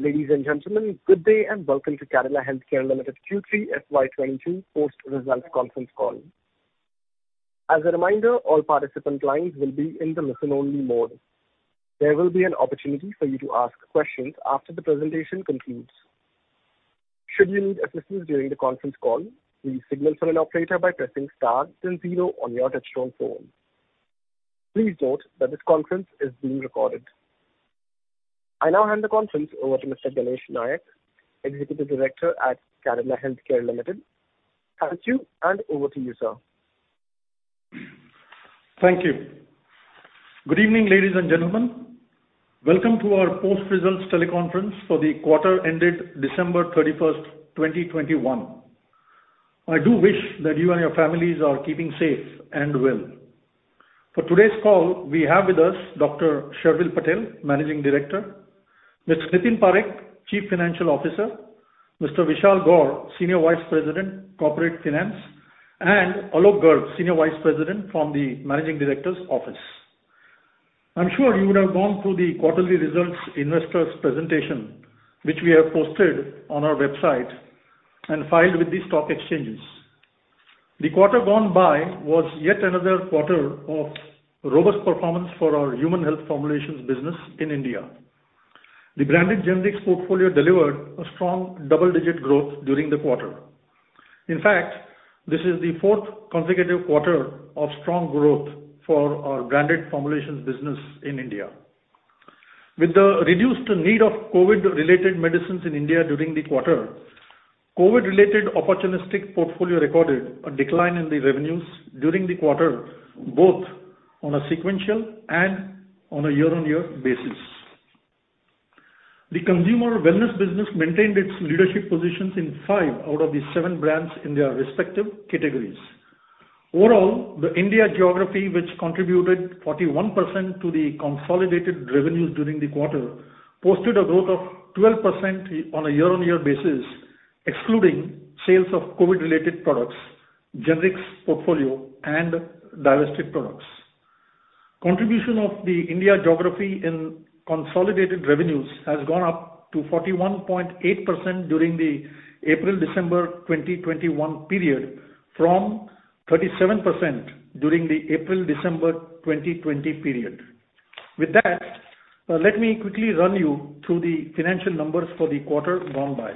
Ladies and gentlemen, good day, and welcome to Cadila Healthcare Limited Q3 FY 2022 post-results Conference Call. As a reminder, all participant lines will be in the listen-only mode. There will be an opportunity for you to ask questions after the presentation concludes. Should you need assistance during the Conference Call, please signal for an operator by pressing star then zero on your touchtone phone. Please note that this Conference is being recorded. I now hand the conference over to Mr. Ganesh Nayak, Executive Director at Cadila Healthcare Limited. Thank you, and over to you, sir. Thank you. Good evening, ladies and gentlemen. Welcome to our post-results teleconference for the quarter ended December 31st, 2021. I do wish that you and your families are keeping safe and well. For today's call, we have with us Dr. Sharvil Patel, Managing Director, Mr. Nitin Parekh, Chief Financial Officer, Mr. Vishal Gor, Senior Vice President, Corporate Finance, and Alok Garg, Senior Vice President from the Managing Director's Office. I'm sure you would have gone through the quarterly results investors presentation which we have posted on our website and filed with the stock exchanges. The quarter gone by was yet another quarter of robust performance for our human health formulations business in India. The branded generics portfolio delivered a strong double-digit growth during the quarter. In fact, this is the fourth consecutive quarter of strong growth for our branded formulations business in India. With the reduced need of COVID-related medicines in India during the quarter, COVID-related opportunistic portfolio recorded a decline in the revenues during the quarter, both on a sequential and on a year-on-year basis. The consumer wellness business maintained its leadership positions in five out of the seven brands in their respective categories. Overall, the India geography, which contributed 41% to the consolidated revenues during the quarter, posted a growth of 12% on a year-on-year basis, excluding sales of COVID-related products, generics portfolio and divested products. Contribution of the India geography in consolidated revenues has gone up to 41.8% during the April-December 2021 period, from 37% during the April-December 2020 period. With that, let me quickly run you through the financial numbers for the quarter gone by.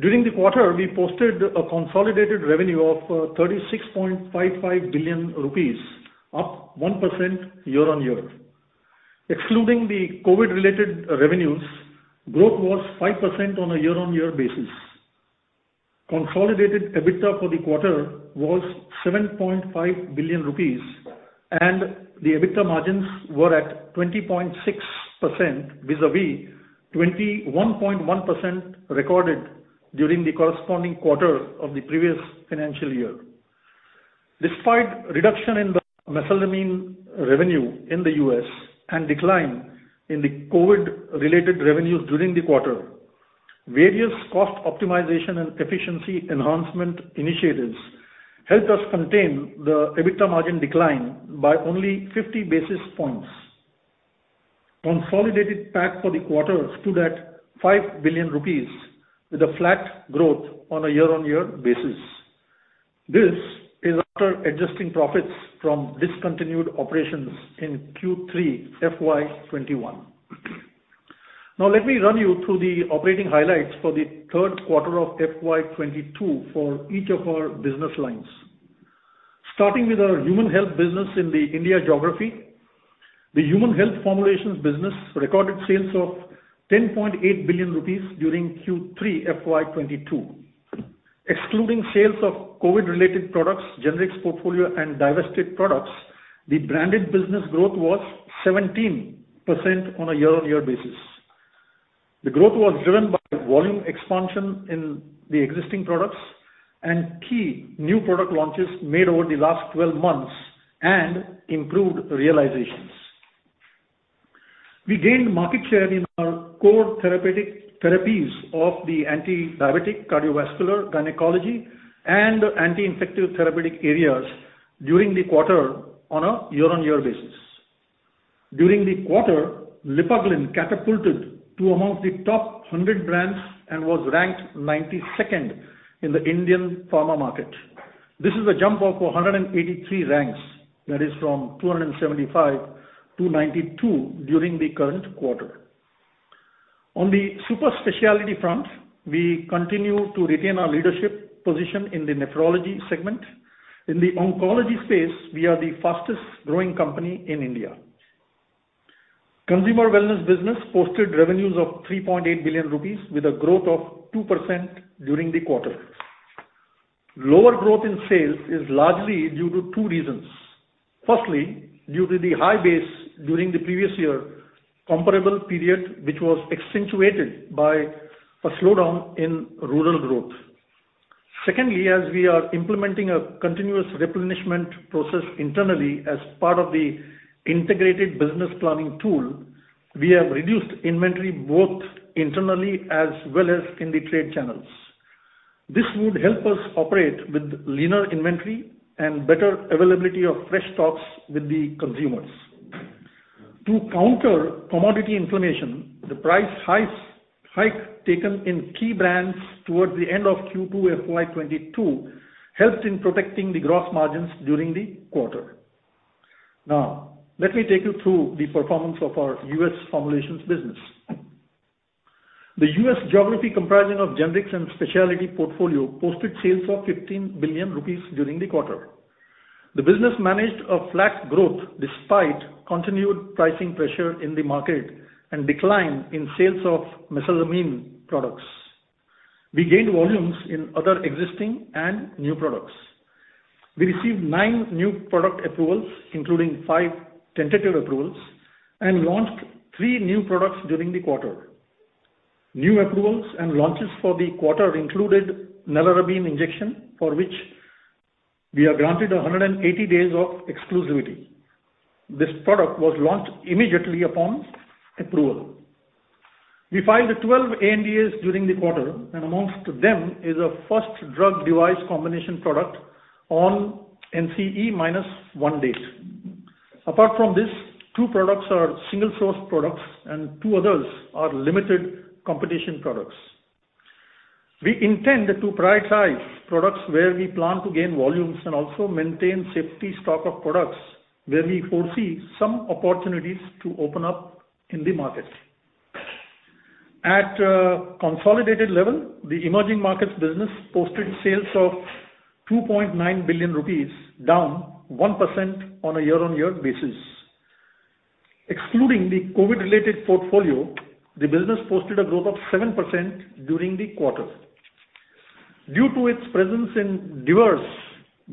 During the quarter, we posted a consolidated revenue of 36.55 billion rupees, up 1% year-on-year. Excluding the COVID-related revenues, growth was 5% on a year-on-year basis. Consolidated EBITDA for the quarter was 7.5 billion rupees, and the EBITDA margins were at 20.6% vis-a-vis 21.1% recorded during the corresponding quarter of the previous financial year. Despite reduction in the mesalamine revenue in the U.S. and decline in the COVID-related revenues during the quarter, various cost optimization and efficiency enhancement initiatives helped us contain the EBITDA margin decline by only 50 basis points. Consolidated PAT for the quarter stood at 5 billion rupees with a flat growth on a year-on-year basis. This is after adjusting profits from discontinued operations in Q3 FY 2021. Now let me run you through the operating highlights for the Q3 of FY 2022 for each of our business lines. Starting with our human health business in the India geography, the human health formulations business recorded sales of 10.8 billion rupees during Q3 FY 2022. Excluding sales of COVID-related products, generics portfolio and divested products, the branded business growth was 17% on a year-on-year basis. The growth was driven by volume expansion in the existing products and key new product launches made over the last 12 months and improved realizations. We gained market share in our core therapeutic therapies of the anti-diabetic, cardiovascular, gynecology, and anti-infective therapeutic areas during the quarter on a year-on-year basis. During the quarter, Lipaglyn catapulted to among the top 100 brands and was ranked 92nd in the Indian pharma market. This is a jump of 183 ranks, that is from 275 to 92 during the current quarter. On the super specialty front, we continue to retain our leadership position in the nephrology segment. In the oncology space, we are the fastest growing company in India. Consumer wellness business posted revenues of 3.8 billion rupees with a growth of 2% during the quarter. Lower growth in sales is largely due to two reasons. Firstly, due to the high base during the previous year comparable period, which was accentuated by a slowdown in rural growth. Secondly, as we are implementing a continuous replenishment process internally as part of the integrated business planning tool, we have reduced inventory both internally as well as in the trade channels. This would help us operate with leaner inventory and better availability of fresh stocks with the consumers. To counter commodity inflation, the price hike taken in key brands towards the end of Q2 FY 2022 helped in protecting the gross margins during the quarter. Now, let me take you through the performance of our U.S. formulations business. The U.S. geography comprising of generics and specialty portfolio posted sales of 15 billion rupees during the quarter. The business managed a flat growth despite continued pricing pressure in the market and decline in sales of mesalamine products. We gained volumes in other existing and new products. We received nine new product approvals, including five tentative approvals, and launched three new products during the quarter. New approvals and launches for the quarter included naratriptan injection, for which we are granted 180 days of exclusivity. This product was launched immediately upon approval. We filed 12 ANDAs during the quarter, and amongst them is a first drug device combination product on NCE minus one date. Apart from this, two products are single source products and two others are limited competition products. We intend to prioritize products where we plan to gain volumes and also maintain safety stock of products where we foresee some opportunities to open up in the market. At consolidated level, the emerging markets business posted sales of 2.9 billion rupees, down 1% on a year-on-year basis. Excluding the COVID-related portfolio, the business posted a growth of 7% during the quarter. Due to its presence in diverse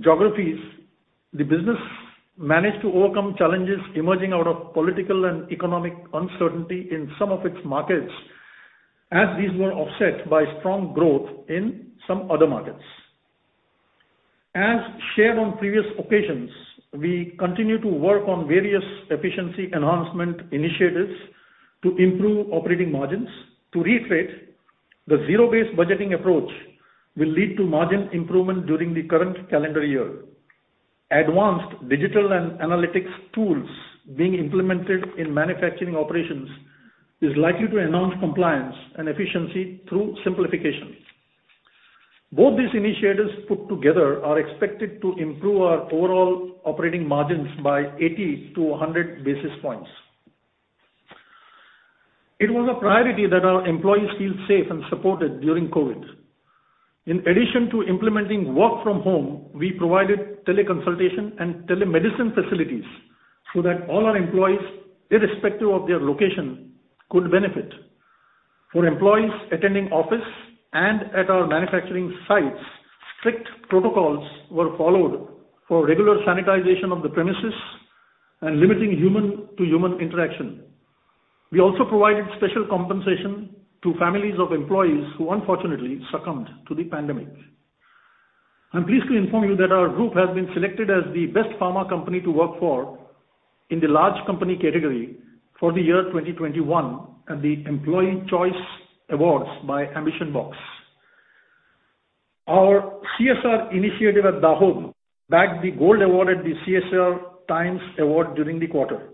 geographies, the business managed to overcome challenges emerging out of political and economic uncertainty in some of its markets, as these were offset by strong growth in some other markets. As shared on previous occasions, we continue to work on various efficiency enhancement initiatives to improve operating margins. To reiterate, the zero-based budgeting approach will lead to margin improvement during the current calendar year. Advanced digital and analytics tools being implemented in manufacturing operations is likely to enhance compliance and efficiency through simplification. Both these initiatives put together are expected to improve our overall operating margins by 80 to 100 basis points. It was a priority that our employees feel safe and supported during COVID. In addition to implementing work from home, we provided teleconsultation and telemedicine facilities so that all our employees, irrespective of their location, could benefit. For employees attending office and at our manufacturing sites, strict protocols were followed for regular sanitization of the premises and limiting human to human interaction. We also provided special compensation to families of employees who unfortunately succumbed to the pandemic. I'm pleased to inform you that our group has been selected as the best pharma company to work for in the large company category for the year 2021 at the Employee Choice Awards by AmbitionBox. Our CSR initiative at Dahod bagged the Gold Award at the CSR Times Award during the quarter.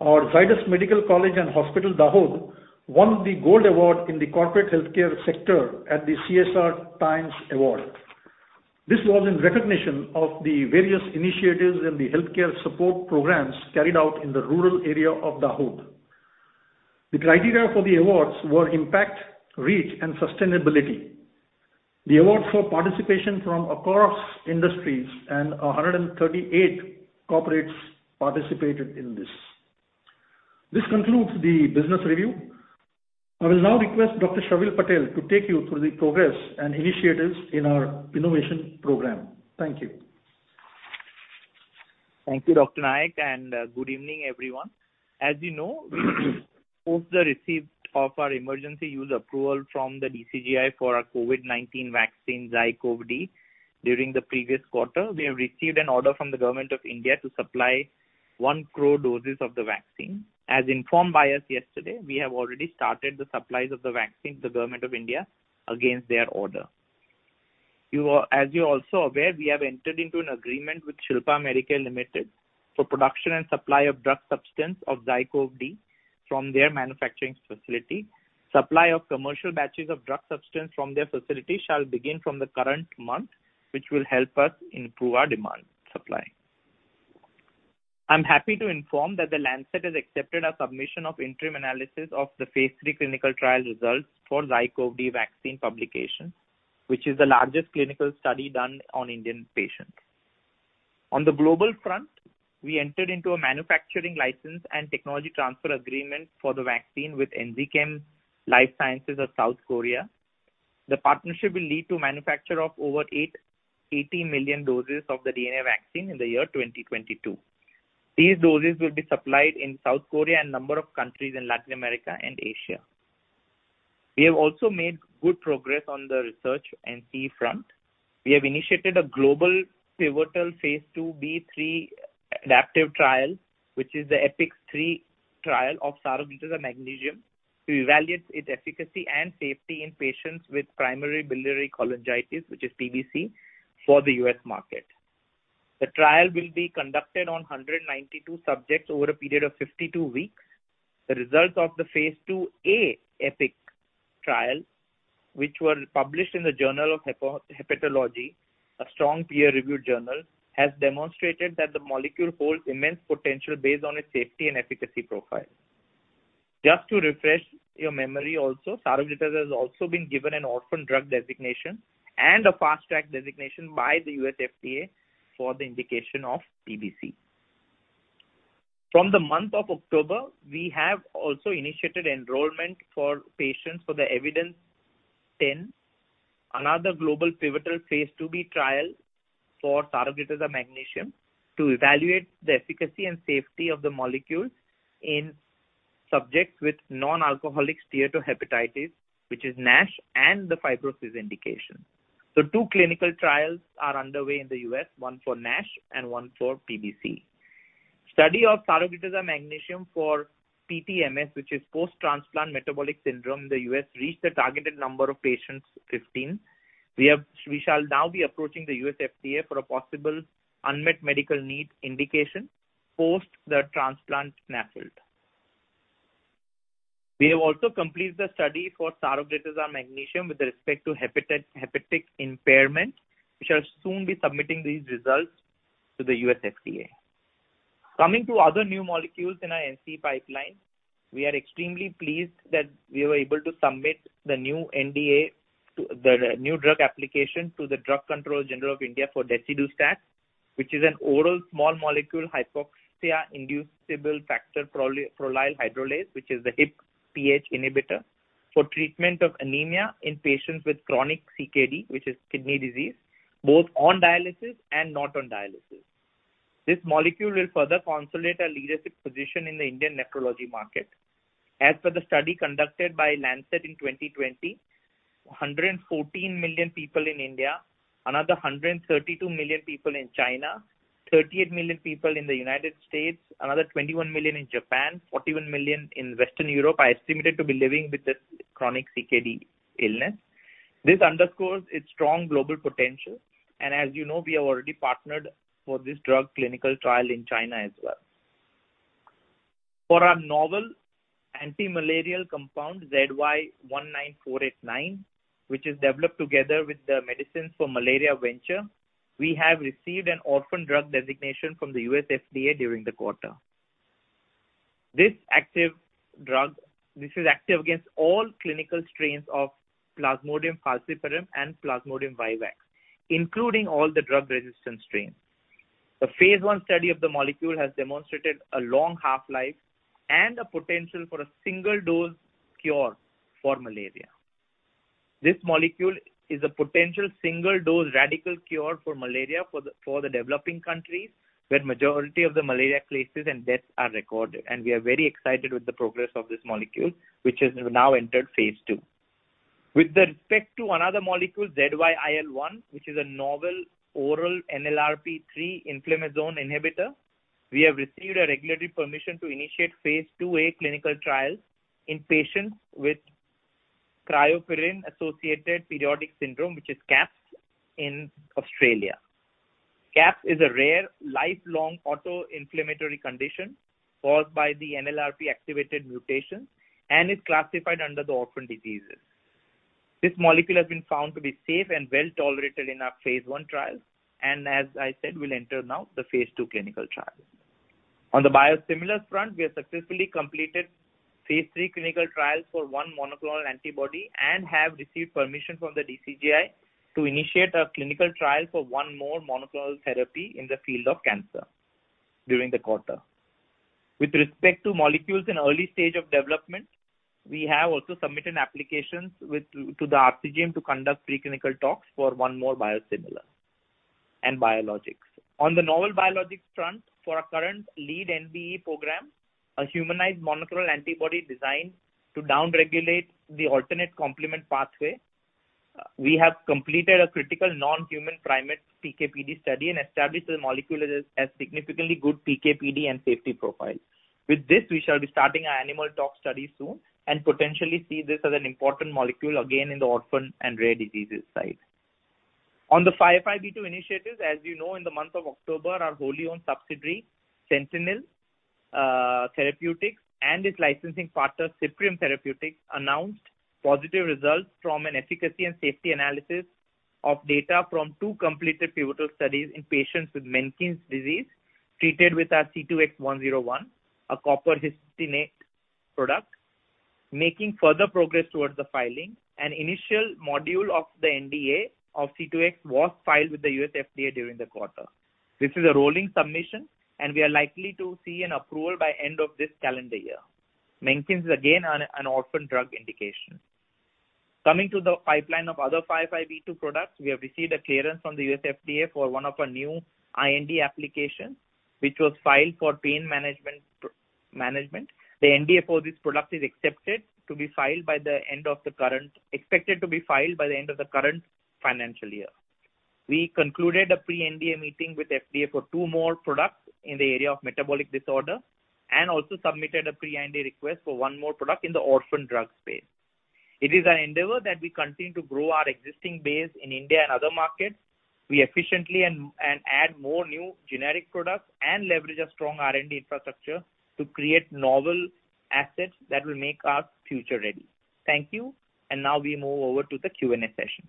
Our Zydus Medical College and Hospital, Dahod won the Gold Award in the corporate healthcare sector at the CSR Times Award. This was in recognition of the various initiatives and the healthcare support programs carried out in the rural area of Dahod. The criteria for the awards were impact, reach, and sustainability. The award saw participation from across industries, and 138 corporates participated in this. This concludes the business review. I will now request Dr. Sharvil Patel to take you through the progress and initiatives in our innovation program. Thank you. Thank you, Dr. Nayak, and good evening, everyone. As you know, post the receipt of our emergency use approval from the DCGI for our COVID-19 vaccine, ZyCoV-D, during the previous quarter, we have received an order from the Government of India to supply 1 crore doses of the vaccine. As informed by us yesterday, we have already started the supplies of the vaccine to the Government of India against their order. As you're also aware, we have entered into an agreement with Shilpa Medicare Limited for production and supply of drug substance of ZyCoV-D from their manufacturing facility. Supply of commercial batches of drug substance from their facility shall begin from the current month, which will help us improve our demand supply. I'm happy to inform that The Lancet has accepted our submission of interim analysis of the phase III clinical trial results for ZyCoV-D vaccine publication, which is the largest clinical study done on Indian patients. On the global front, we entered into a manufacturing license and technology transfer agreement for the vaccine with EnzyChem Lifesciences of South Korea. The partnership will lead to manufacture of over 80 million doses of the DNA vaccine in the year 2022. These doses will be supplied in South Korea and number of countries in Latin America and Asia. We have also made good progress on the research and development front. We have initiated a global pivotal Phase II(b)/3 adaptive trial, which is the EPICS-III trial of Saroglitazar Magnesium to evaluate its efficacy and safety in patients with primary biliary cholangitis, which is PBC for the U.S. market. The trial will be conducted on 192 subjects over a period of 52 weeks. The results of the Phase II(a) EPICS trial, which were published in the Journal of Hepatology, a strong peer-reviewed journal, has demonstrated that the molecule holds immense potential based on its safety and efficacy profile. Just to refresh your memory also, Saroglitazar has also been given an orphan drug designation and a fast track designation by the U.S. FDA for the indication of PBC. From the month of October, we have also initiated enrollment for patients for the EVIDENCES-X, another global pivotal Phase II(b) trial for Saroglitazar Magnesium to evaluate the efficacy and safety of the molecule in subjects with non-alcoholic steatohepatitis, which is NASH, and the fibrosis indication. Two clinical trials are underway in the U.S., one for NASH and one for PBC. Study of Saroglitazar Magnesium for PTMS, which is post-transplant metabolic syndrome in the U.S., reached the targeted number of patients, 15. We shall now be approaching the U.S. FDA for a possible unmet medical need indication post the transplant NAFLD. We have also completed the study for Saroglitazar Magnesium with respect to hepatic impairment. We shall soon be submitting these results to the U.S. FDA. Coming to other new molecules in our NCE pipeline. We are extremely pleased that we were able to submit the new NDA, the new drug application, to the Drugs Controller General of India for Desidustat, which is an oral small molecule hypoxia-inducible factor prolyl hydrolase, which is the HIF-PH inhibitor for treatment of anemia in patients with chronic CKD, which is kidney disease, both on dialysis and not on dialysis. This molecule will further consolidate our leadership position in the Indian nephrology market. As per the study conducted by The Lancet in 2020, 114 million people in India, another 132 million people in China, 38 million people in the United States, another 21 million in Japan, 41 million in Western Europe are estimated to be living with this chronic CKD illness. This underscores its strong global potential and as you know, we have already partnered for this drug clinical trial in China as well. For our novel anti-malarial compound, ZY-19489, which is developed together with the Medicines for Malaria Venture, we have received an orphan drug designation from the U.S. FDA during the quarter. This is active against all clinical strains of Plasmodium falciparum and Plasmodium vivax, including all the drug-resistant strains. The phase I study of the molecule has demonstrated a long half-life and a potential for a single-dose cure for malaria. This molecule is a potential single-dose radical cure for malaria for the developing countries, where majority of the malaria cases and deaths are recorded. We are very excited with the progress of this molecule, which has now entered phase II. With respect to another molecule, ZYIL1, which is a novel oral NLRP3 inflammasome inhibitor, we have received a regulatory permission to initiate phase II(a) clinical trials in patients with cryopyrin-associated periodic syndrome, which is CAPS in Australia. CAPS is a rare lifelong autoinflammatory condition caused by the NLRP3-activating mutations and is classified under the orphan diseases. This molecule has been found to be safe and well-tolerated in our phase I trial, and as I said, we'll enter now the phase II clinical trial. On the biosimilars front, we have successfully completed phase III clinical trials for one monoclonal antibody and have received permission from the DCGI to initiate a clinical trial for one more monoclonal therapy in the field of cancer during the quarter. With respect to molecules in early stage of development, we have also submitted applications to the RCGM to conduct preclinical trials for one more biosimilar and biologics. On the novel biologics front, for our current lead NBE program, a humanized monoclonal antibody designed to downregulate the alternative complement pathway, we have completed a critical non-human primate PK/PD study and established the molecule as significantly good PK/PD and safety profile. With this, we shall be starting our animal tox study soon and potentially see this as an important molecule again in the orphan and rare diseases side. On the 505(b)(2) initiatives, as you know, in the month of October, our wholly-owned subsidiary, Sentynl Therapeutics and its licensing partner, Cyprium Therapeutics, announced positive results from an efficacy and safety analysis of data from two completed pivotal studies in patients with Menkes disease treated with our CUTX-101, a copper histidinate product, making further progress towards the filing. An initial module of the NDA of CUTX-101 was filed with the U.S. FDA during the quarter. This is a rolling submission, and we are likely to see an approval by end of this calendar year. Menkes is again an orphan drug indication. Coming to the pipeline of other 505(b)(2) products, we have received a clearance from the U.S. FDA for one of our new IND applications, which was filed for pain management program. The NDA for this product is expected to be filed by the end of the current financial year. We concluded a pre-NDA meeting with FDA for two more products in the area of metabolic disorder and also submitted a pre-NDA request for one more product in the orphan drug space. It is our endeavor that we continue to grow our existing base in India and other markets. We efficiently and add more new generic products and leverage a strong R&D infrastructure to create novel assets that will make us future-ready. Thank you. Now we move over to the Q&A session.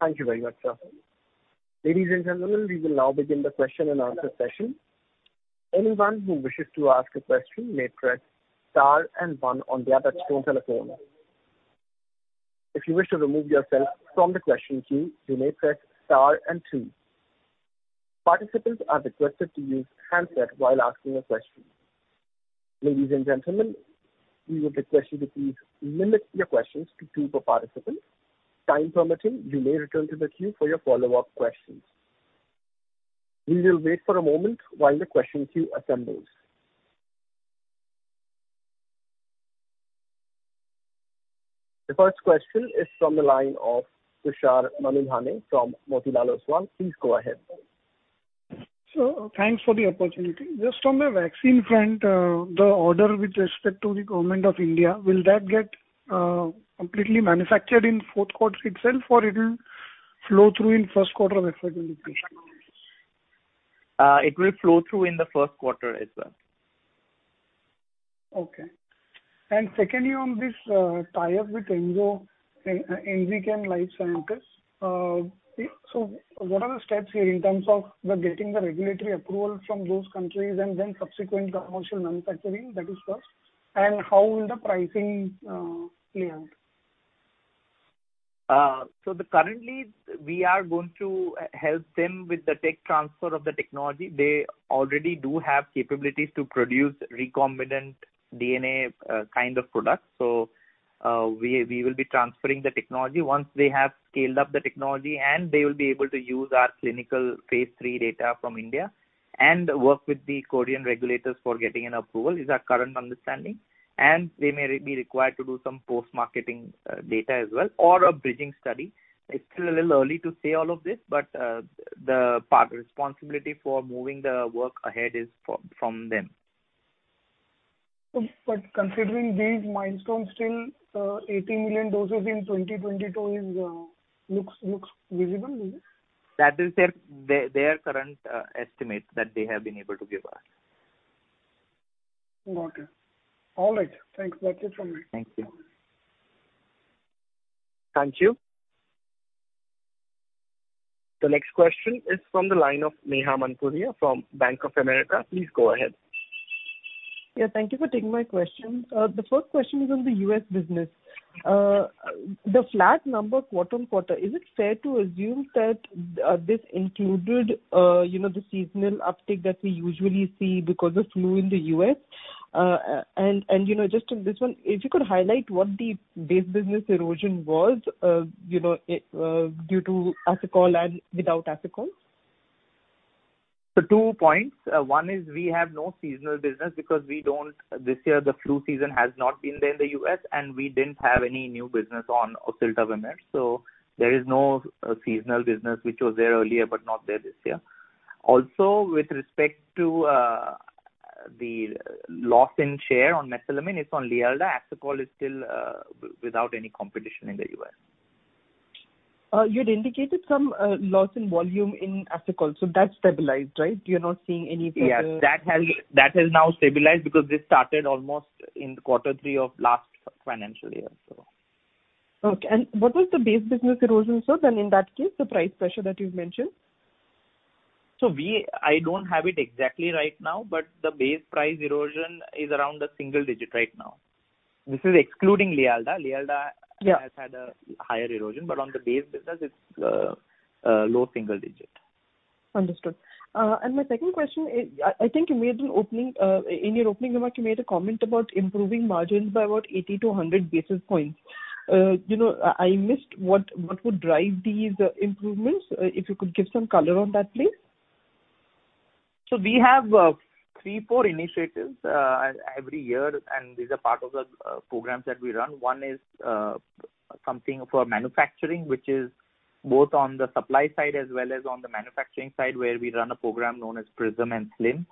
Thank you very much, sir. Ladies and gentlemen, we will now begin the Q&A session. Anyone who wishes to ask a question may press star and one on their touch-tone telephone. If you wish to remove yourself from the question queue, you may press star and two. Participants are requested to use handset while asking a question. Ladies and gentlemen, we would request you to please limit your questions to two per participant. Time permitting, you may return to the queue for your follow-up questions. We will wait for a moment while the question queue assembles. The first question is from the line of Tushar Manudhane from Motilal Oswal. Please go ahead. Thanks for the opportunity. Just on the vaccine front, the order with respect to the Government of India, will that get completely manufactured in Q4 itself, or it'll flow through in Q1 of FY 2025 in the future? It will flow through in the Q1 as well. Okay. Secondly, on this, tie-up with EnzyChem Lifesciences. What are the steps here in terms of the getting the regulatory approval from those countries and then subsequent commercial manufacturing? That is first. How will the pricing play out? Currently, we are going to help them with the tech transfer of the technology. They already have capabilities to produce recombinant DNA kind of product. We will be transferring the technology. Once they have scaled up the technology and they will be able to use our clinical phase III data from India and work with the Korean regulators for getting an approval, is our current understanding. They may be required to do some post-marketing data as well or a bridging study. It's still a little early to say all of this, but the primary responsibility for moving the work ahead is from them. Considering these milestones, still, 80 million doses in 2022 looks reasonable, does it? That is their current estimate that they have been able to give us. Got it. All right, thanks. That's it from me. Thank you. Thank you. The next question is from the line of Neha Manpuria from Bank of America. Please go ahead. Yeah, thank you for taking my question. The first question is on the U.S. business. The flat number quarter-over-quarter, is it fair to assume that this included, you know, the seasonal uptick that we usually see because of flu in the U.S.? You know, just on this one, if you could highlight what the base business erosion was, you know, due to Asacol and without Asacol. Two points. One is we have no seasonal business. This year the flu season has not been there in the U.S., and we didn't have any new business on Oseltamivir treatment. There is no seasonal business which was there earlier but not there this year. Also, with respect to the loss in share on mesalamine, it's on Lialda. Asacol is still without any competition in the U.S. You had indicated some loss in volume in Asacol, so that's stabilized, right? You're not seeing any further. Yes, that has now stabilized because this started almost in Q3 of last financial year, so. Okay. What was the base business erosion, sir, then in that case, the price pressure that you've mentioned? I don't have it exactly right now, but the base price erosion is around a single digit right now. This is excluding Lialda Yeah. has had a higher erosion, but on the base business, it's a low single digit. Understood. My second question is, I think in your opening remark, you made a comment about improving margins by about 80 to 100 basis points. You know, I missed what would drive these improvements? If you could give some color on that, please. We have three or four initiatives every year, and these are part of the programs that we run. One is something for manufacturing, which is both on the supply side as well as on the manufacturing side, where we run a program known as PRISM and SLIM.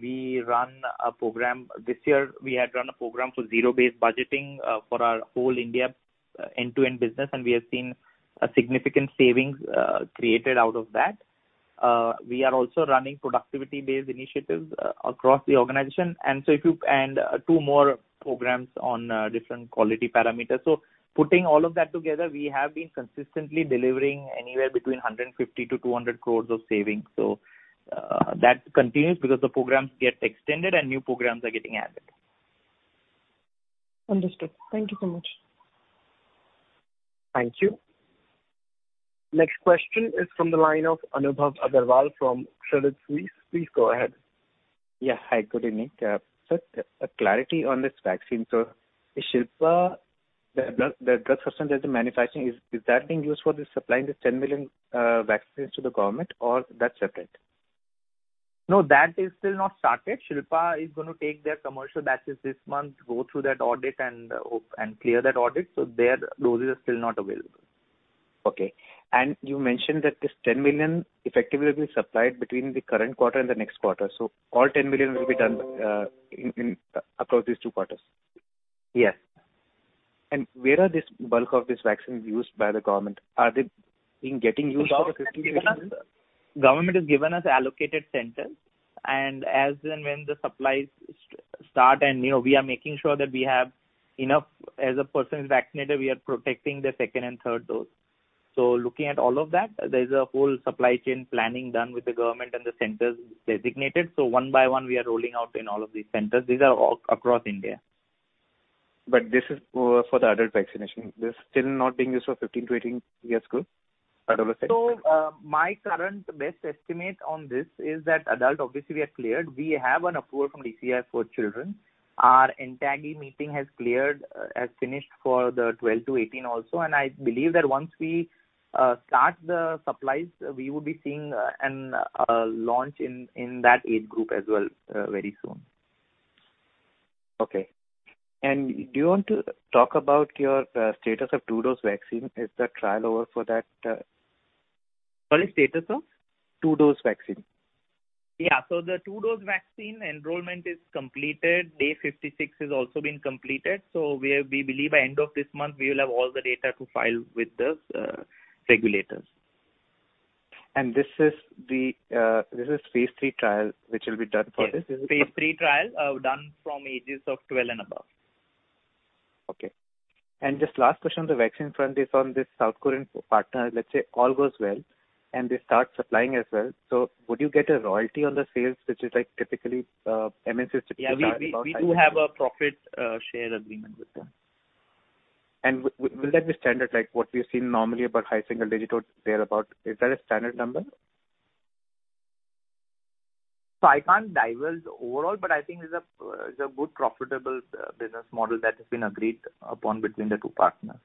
This year we had run a program for zero-based budgeting for our whole India end-to-end business, and we have seen a significant savings created out of that. We are also running productivity-based initiatives across the organization and two more programs on different quality parameters. Putting all of that together, we have been consistently delivering anywhere between 150 crores to 200 crores of savings. That continues because the programs get extended and new programs are getting added. Understood. Thank you so much. Thank you. Next question is from the line of Anubhav Aggarwal from Credit Suisse. Please go ahead. Yeah. Hi, good evening. Sir, a clarity on this vaccine. Is Shilpa, the drug substance that they're manufacturing, being used for supplying the 10 million vaccines to the government or that's separate? No, that is still not started. Shilpa is gonna take their commercial batches this month, go through that audit and hope to clear that audit, so their doses are still not available. Okay. You mentioned that this 10 million effectively will be supplied between the current quarter and the next quarter. All 10 million will be done across these two quarters? Yes. Where is the bulk of these vaccines used by the government? Are they being used for the 15 to 18? Government has given us allocated centers. As and when the supplies start, you know, we are making sure that we have enough. As a person is vaccinated, we are protecting the second and third dose. Looking at all of that, there's a whole supply chain planning done with the government and the centers designated. One by one we are rolling out in all of these centers. These are all across India. This is for the adult vaccination. This still not being used for 15 to 18 years group, adolescent? My current best estimate on this is that adults obviously we are cleared. We have an approval from DCGI for children. Our NTAGI meeting has finished for the 12 to 18 also. I believe that once we start the supplies, we will be seeing a launch in that age group as well very soon. Okay. Do you want to talk about your status of two-dose vaccine? Is the trial over for that? Sorry, status of? Two-dose vaccine. Yeah. The two-dose vaccine enrollment is completed. Day 56 has also been completed. We believe by end of this month we will have all the data to file with the regulators. This is phase III trial which will be done for this? Yes. phase III trial done from ages of 12 and above. Okay. Just last question on the vaccine front is on this South Korean partner. Let's say all goes well and they start supplying as well. Would you get a royalty on the sales, which is like typically MSCs charge about high single digits? Yeah. We do have a profit share agreement with them. Will that be standard, like what we have seen normally about high single digit or thereabout? Is that a standard number? I can't divulge overall, but I think it's a good profitable business model that has been agreed upon between the two partners.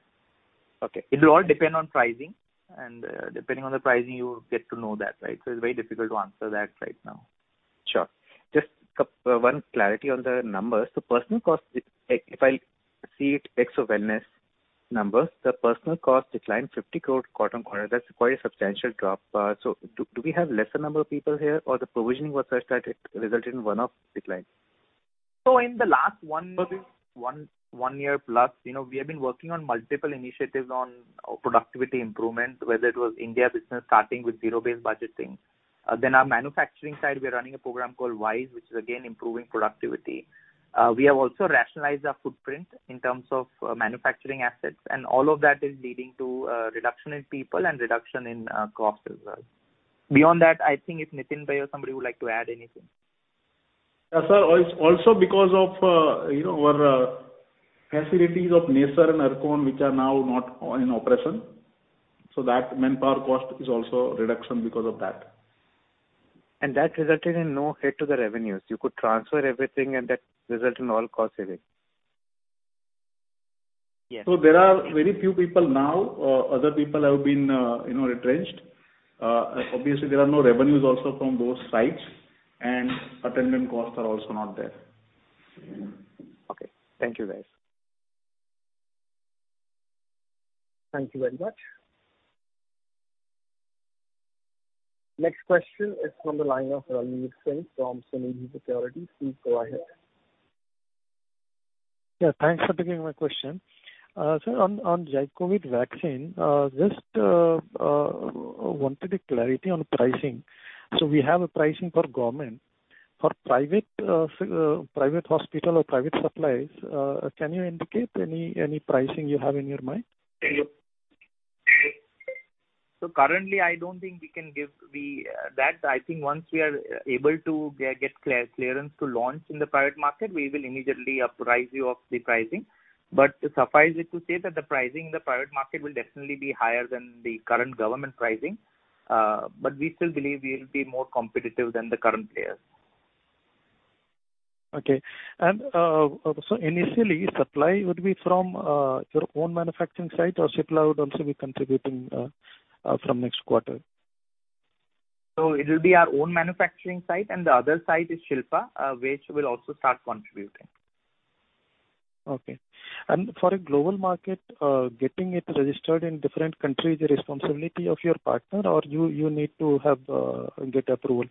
Okay. It will all depend on pricing, and, depending on the pricing, you get to know that, right? It's very difficult to answer that right now. Sure. Just one clarity on the numbers. The personnel cost, if I see it ex Wellness numbers, the personnel cost declined 50 crore quarter-on-quarter. That's quite a substantial drop. We have lesser number of people here or the provisioning was restarted, resulted in one-off decline? In the last one year plus, you know, we have been working on multiple initiatives on productivity improvement, whether it was India business starting with zero-based budgeting. Then our manufacturing side, we are running a program called WISE, which is again improving productivity. We have also rationalized our footprint in terms of manufacturing assets and all of that is leading to reduction in people and reduction in cost as well. Beyond that, I think if Nitin Bhai or somebody would like to add anything. Yeah, sir. Also because of, you know, our facilities of Nesher and Ankleshwar which are now not in operation, so that manpower cost is also reduction because of that. That resulted in no hit to the revenues. You could transfer everything and that resulted in all cost savings. Yes. There are very few people now. Other people have been, you know, retrenched. Obviously there are no revenues also from those sites and attendant costs are also not there. Okay. Thank you, guys. Thank you very much. Next question is from the line of Dalmit Singh from Sunidhi Securities. Please go ahead. Yeah, thanks for taking my question. Sir, on ZyCoV-D vaccine, just wanted a clarity on pricing. We have a pricing for government. For private hospital or private suppliers, can you indicate any pricing you have in your mind? Currently, I don't think we can give the, that. I think once we are able to get clearance to launch in the private market, we will immediately apprise you of the pricing. Suffice it to say that the pricing in the private market will definitely be higher than the current government pricing. We still believe we'll be more competitive than the current players. Okay. Initially supply would be from your own manufacturing site or Shilpa would also be contributing from next quarter? It will be our own manufacturing site, and the other site is Shilpa, which will also start contributing. Okay. For a global market, getting it registered in different countries, is the responsibility of your partner or you? You need to have to get approval?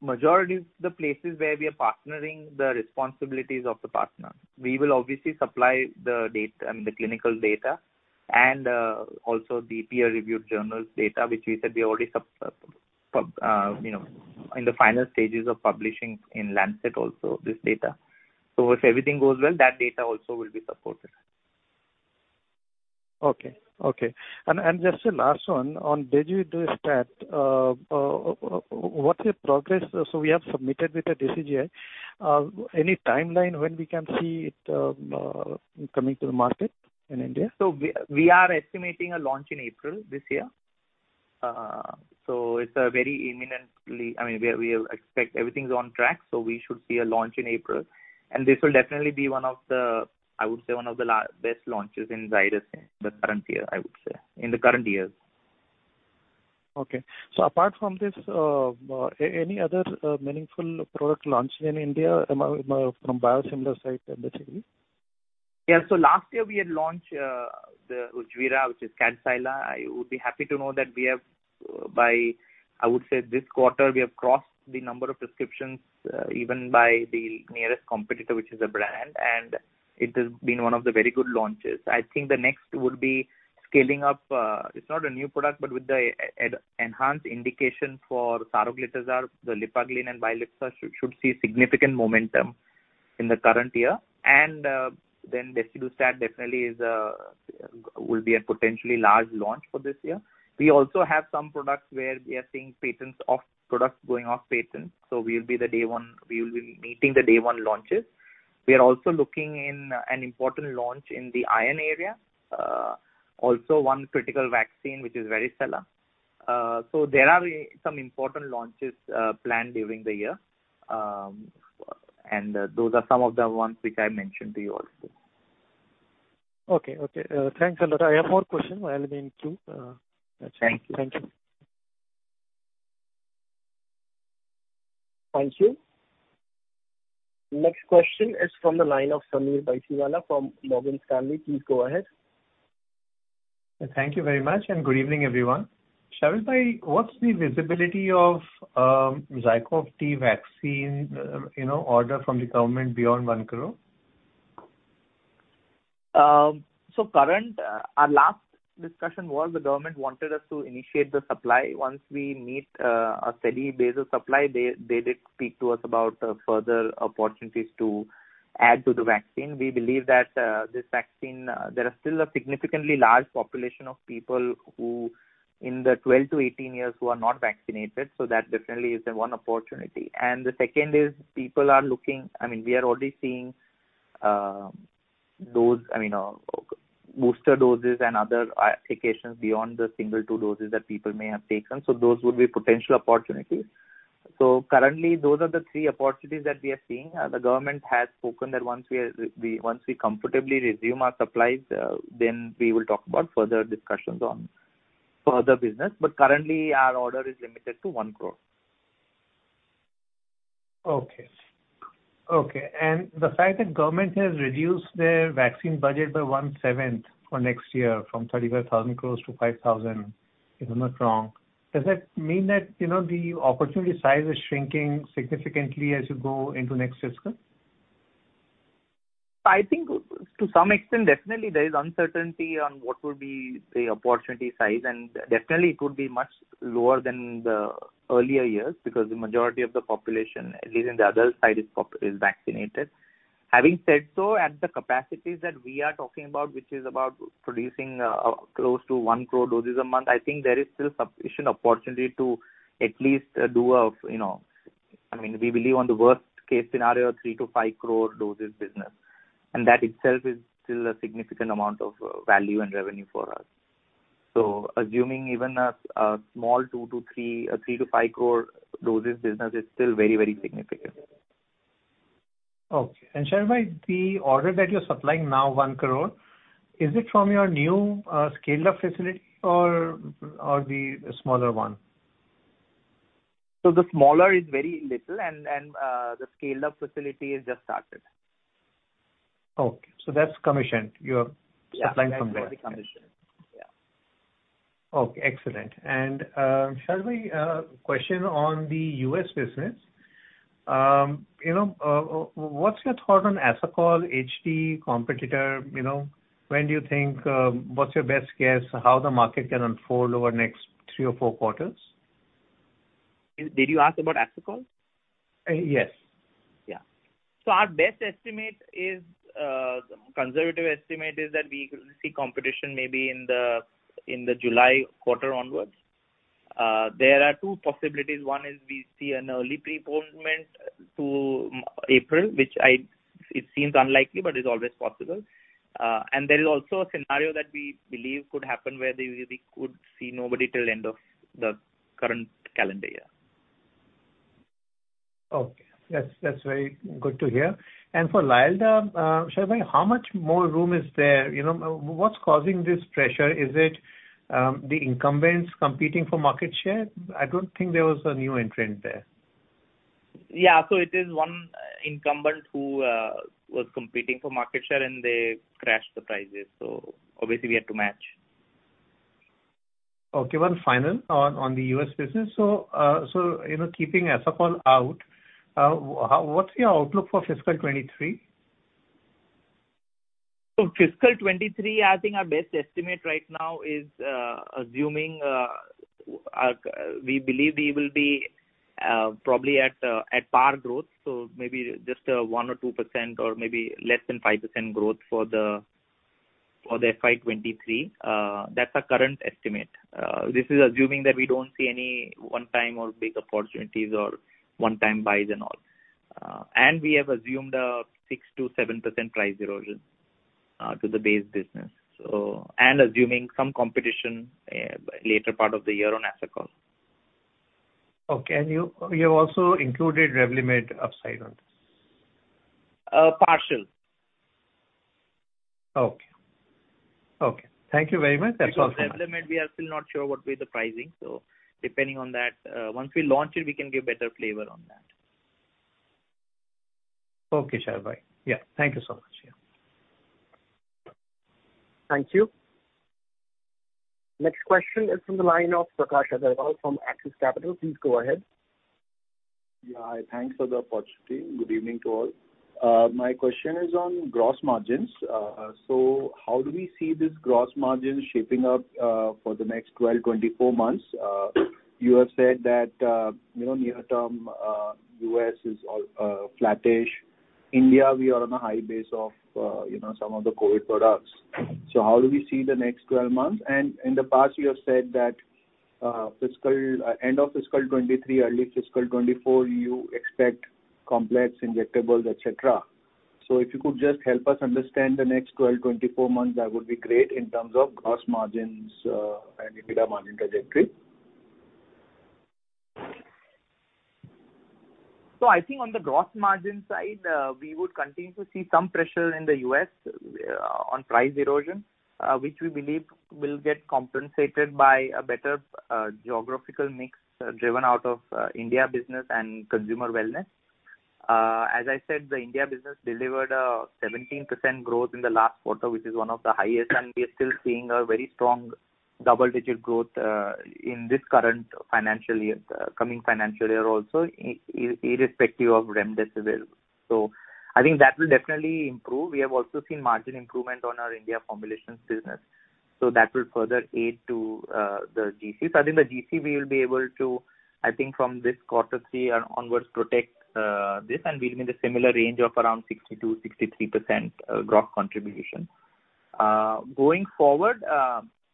Majority of the places where we are partnering, the responsibility is of the partner. We will obviously supply the data, the clinical data and also the peer reviewed journals data, which we said we already submitted, you know, in the final stages of publishing in The Lancet also this data. If everything goes well, that data also will be supported. Just a last one on Desidustat. What's the progress? We have submitted with the DCGI. Any timeline when we can see it coming to the market in India? We are estimating a launch in April this year. It's very imminent. I mean, we expect everything's on track, we should see a launch in April. This will definitely be one of the, I would say, one of the largest launches in Zydus in the current year, I would say, in the current years. Okay. Apart from this, any other meaningful product launches in India from biosimilar side in the city? Last year we had launched the Ujvira, which is Kadcyla. I would be happy to note that we have, I would say, by this quarter, crossed the number of prescriptions even by the nearest competitor, which is a brand, and it has been one of the very good launches. I think the next would be scaling up. It's not a new product, but with the enhanced indication for Saroglitazar, the Lipaglyn and Bilypsa should see significant momentum in the current year. Desidustat definitely will be a potentially large launch for this year. We also have some products where we are seeing patents off, products going off patent, so we will be day one launches. We are also looking forward to an important launch in the iron area. Also one critical vaccine, which is Varicella. There are some important launches planned during the year, and those are some of the ones which I mentioned to you also. Okay. Thanks a lot. I have more question. I'll remain in queue. Thank you. Thank you. Thank you. Next question is from the line of Sameer Baisiwale from Morgan Stanley. Please go ahead. Thank you very much, and good evening, everyone. Sharvilbhai, what's the visibility of ZyCoV-D vaccine, you know, order from the government beyond 1 crore? Currently, our last discussion was the government wanted us to initiate the supply. Once we meet a steady base of supply, they did speak to us about further opportunities to add to the vaccine. We believe that this vaccine, there are still a significantly large population of people who in the 12 to 18 years who are not vaccinated, that definitely is the one opportunity. The second is people are looking I mean we are already seeing those I mean booster doses and other applications beyond the single two doses that people may have taken. Those would be potential opportunities. Currently those are the three opportunities that we are seeing. The government has spoken that once we comfortably resume our supplies, then we will talk about further discussions on further business. Currently our order is limited to 1 crore. Okay. The fact that government has reduced their vaccine budget by one-seventh for next year from 35,000 crore to 5,000 crore, if I'm not wrong, does that mean that, you know, the opportunity size is shrinking significantly as you go into next fiscal? I think to some extent, definitely there is uncertainty on what would be the opportunity size. Definitely it would be much lower than the earlier years because the majority of the population, at least in the adult side, is vaccinated. Having said so, at the capacities that we are talking about, which is about producing close to 1 crore doses a month, I think there is still sufficient opportunity to at least do a, you know, I mean, we believe on the worst case scenario, 3 to 5 crore doses business, and that itself is still a significant amount of value and revenue for us. Assuming even a small 2 Crore to 3 crore, 3 crore to 5 crore doses business is still very, very significant. Okay. Sharvilbhai, the order that you're supplying now, 1 crore, is it from your new, scaled up facility or the smaller one? The smaller is very little and the scaled up facility has just started. Okay. That's commissioned. You're supplying from there. Yeah. That's already commissioned. Yeah. Okay, excellent. Sharvilbhai, question on the U.S. business. You know, what's your thought on Asacol HD competitor, you know? When do you think what's your best guess how the market can unfold over the next three or four quarters? Did you ask about Asacol? Yes. Yeah. Our best estimate is, conservative estimate is that we could see competition maybe in the July quarter onwards. There are two possibilities. One is we see an early preponement to April, it seems unlikely, but it's always possible. There is also a scenario that we believe could happen where we could see nobody till end of the current calendar year. Okay. That's very good to hear. For Lialda, Sharvilbhai, how much more room is there? You know, what's causing this pressure? Is it the incumbents competing for market share? I don't think there was a new entrant there. Yeah. It is one incumbent who was competing for market share, and they crashed the prices, so obviously we had to match. Okay. One final on the U.S. business. You know, keeping Asacol out, what's your outlook for fiscal 2023? FY 2023, I think our best estimate right now is, assuming we believe we will be probably at par growth, so maybe just 1% or 2% or maybe less than 5% growth for the FY 2023. That's our current estimate. This is assuming that we don't see any one-time or big opportunities or one-time buys and all. We have assumed a 6% to 7% price erosion to the base business, assuming some competition later in the year on Asacol. Okay. You have also included Revlimid upside on this? Partial. Okay. Thank you very much. That's all from my Revlimid we are still not sure what will be the pricing. Depending on that, once we launch it, we can give better flavor on that. Okay, Sharvil. Yeah. Thank you so much. Yeah. Thank you. Next question is from the line of Prakash Agarwal from Axis Capital. Please go ahead. Yeah. Thanks for the opportunity. Good evening to all. My question is on gross margins. How do we see this gross margin shaping up for the next 12, 24 months? You have said that, you know, near term, U.S. is flattish. India, we are on a high base of, you know, some of the COVID products. How do we see the next 12 months? In the past you have said that, end of fiscal 2023, early fiscal 2024, you expect complex injectables, et cetera. If you could just help us understand the next 12, 24 months, that would be great in terms of gross margins and EBITDA margin trajectory. I think on the gross margin side, we would continue to see some pressure in the U.S., on price erosion, which we believe will get compensated by a better geographical mix driven out of India business and consumer wellness. As I said, the India business delivered a 17% growth in the last quarter, which is one of the highest, and we are still seeing a very strong double-digit growth in this current financial year, coming financial year also, irrespective of Remdesivir. I think that will definitely improve. We have also seen margin improvement on our India formulations business, so that will further aid to the gross margins. I think the GC we will be able to. I think from this Q3 onwards, protect this, and we're in the similar range of around 62% to 63% growth contribution. Going forward,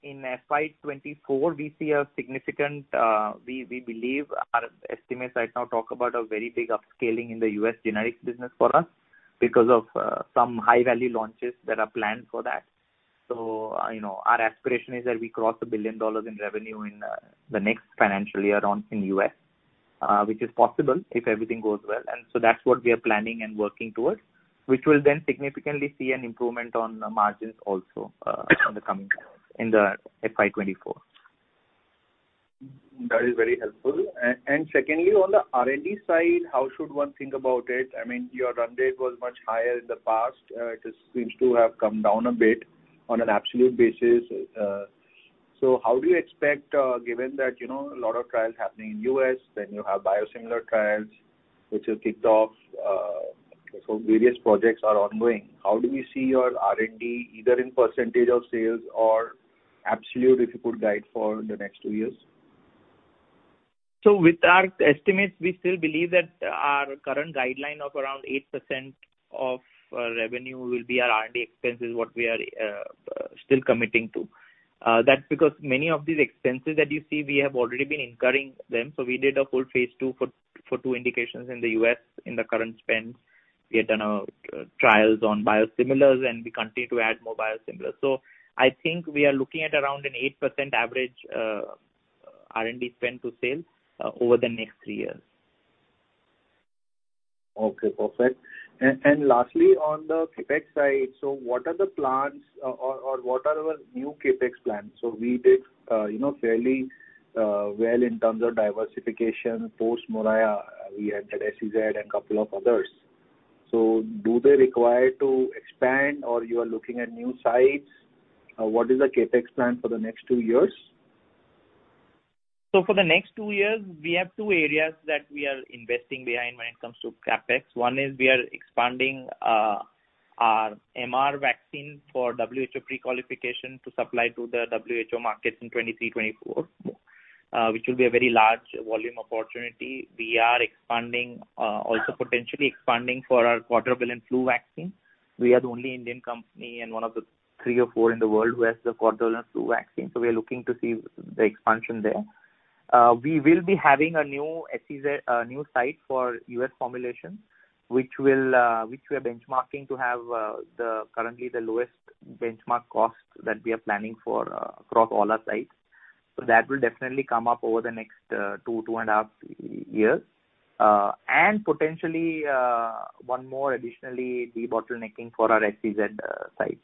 in FY 2024 we see a significant. We believe our estimates right now talk about a very big upscaling in the U.S. generics business for us because of some high-value launches that are planned for that. You know, our aspiration is that we cross $1 billion in revenue in the next financial year in the U.S., which is possible if everything goes well. That's what we are planning and working towards, which will then significantly see an improvement on the margins also in the coming years, in the FY 2024. That is very helpful. Secondly, on the R&D side, how should one think about it? I mean, your run rate was much higher in the past. It just seems to have come down a bit on an absolute basis. How do you expect, given that, you know, a lot of trials happening in U.S., then you have biosimilar trials which you kicked off, so various projects are ongoing. How do you see your R&D either in percentage of sales or absolute, if you could guide for the next two years? With our estimates, we still believe that our current guideline of around 8% of revenue will be our R&D expenses, what we are still committing to. That's because many of these expenses that you see, we have already been incurring them. We did a full phase II for two indications in the U.S. in the current spend. We have done trials on biosimilars, and we continue to add more biosimilars. I think we are looking at around an 8% average R&D spend to sales over the next three years. Okay, perfect. Lastly, on the CapEx side, what are the plans, or what are the new CapEx plans? We did, you know, fairly well in terms of diversification post Moraiya. We added SEZ and a couple of others. Do they require to expand or you are looking at new sites? What is the CapEx plan for the next two years? For the next two years, we have two areas that we are investing behind when it comes to CapEx. One is we are expanding our MR vaccine for WHO pre-qualification to supply to the WHO markets in 2023, 2024, which will be a very large volume opportunity. We are also potentially expanding for our quadrivalent flu vaccine. We are the only Indian company and one of the three or four in the world who has the quadrivalent flu vaccine, so we are looking to see the expansion there. We will be having a new SEZ, a new site for U.S. formulation, which we are benchmarking to have the current lowest benchmark cost that we are planning for across all our sites. That will definitely come up over the next two and a half years. Potentially, one more additionally, debottlenecking for our SEZ site.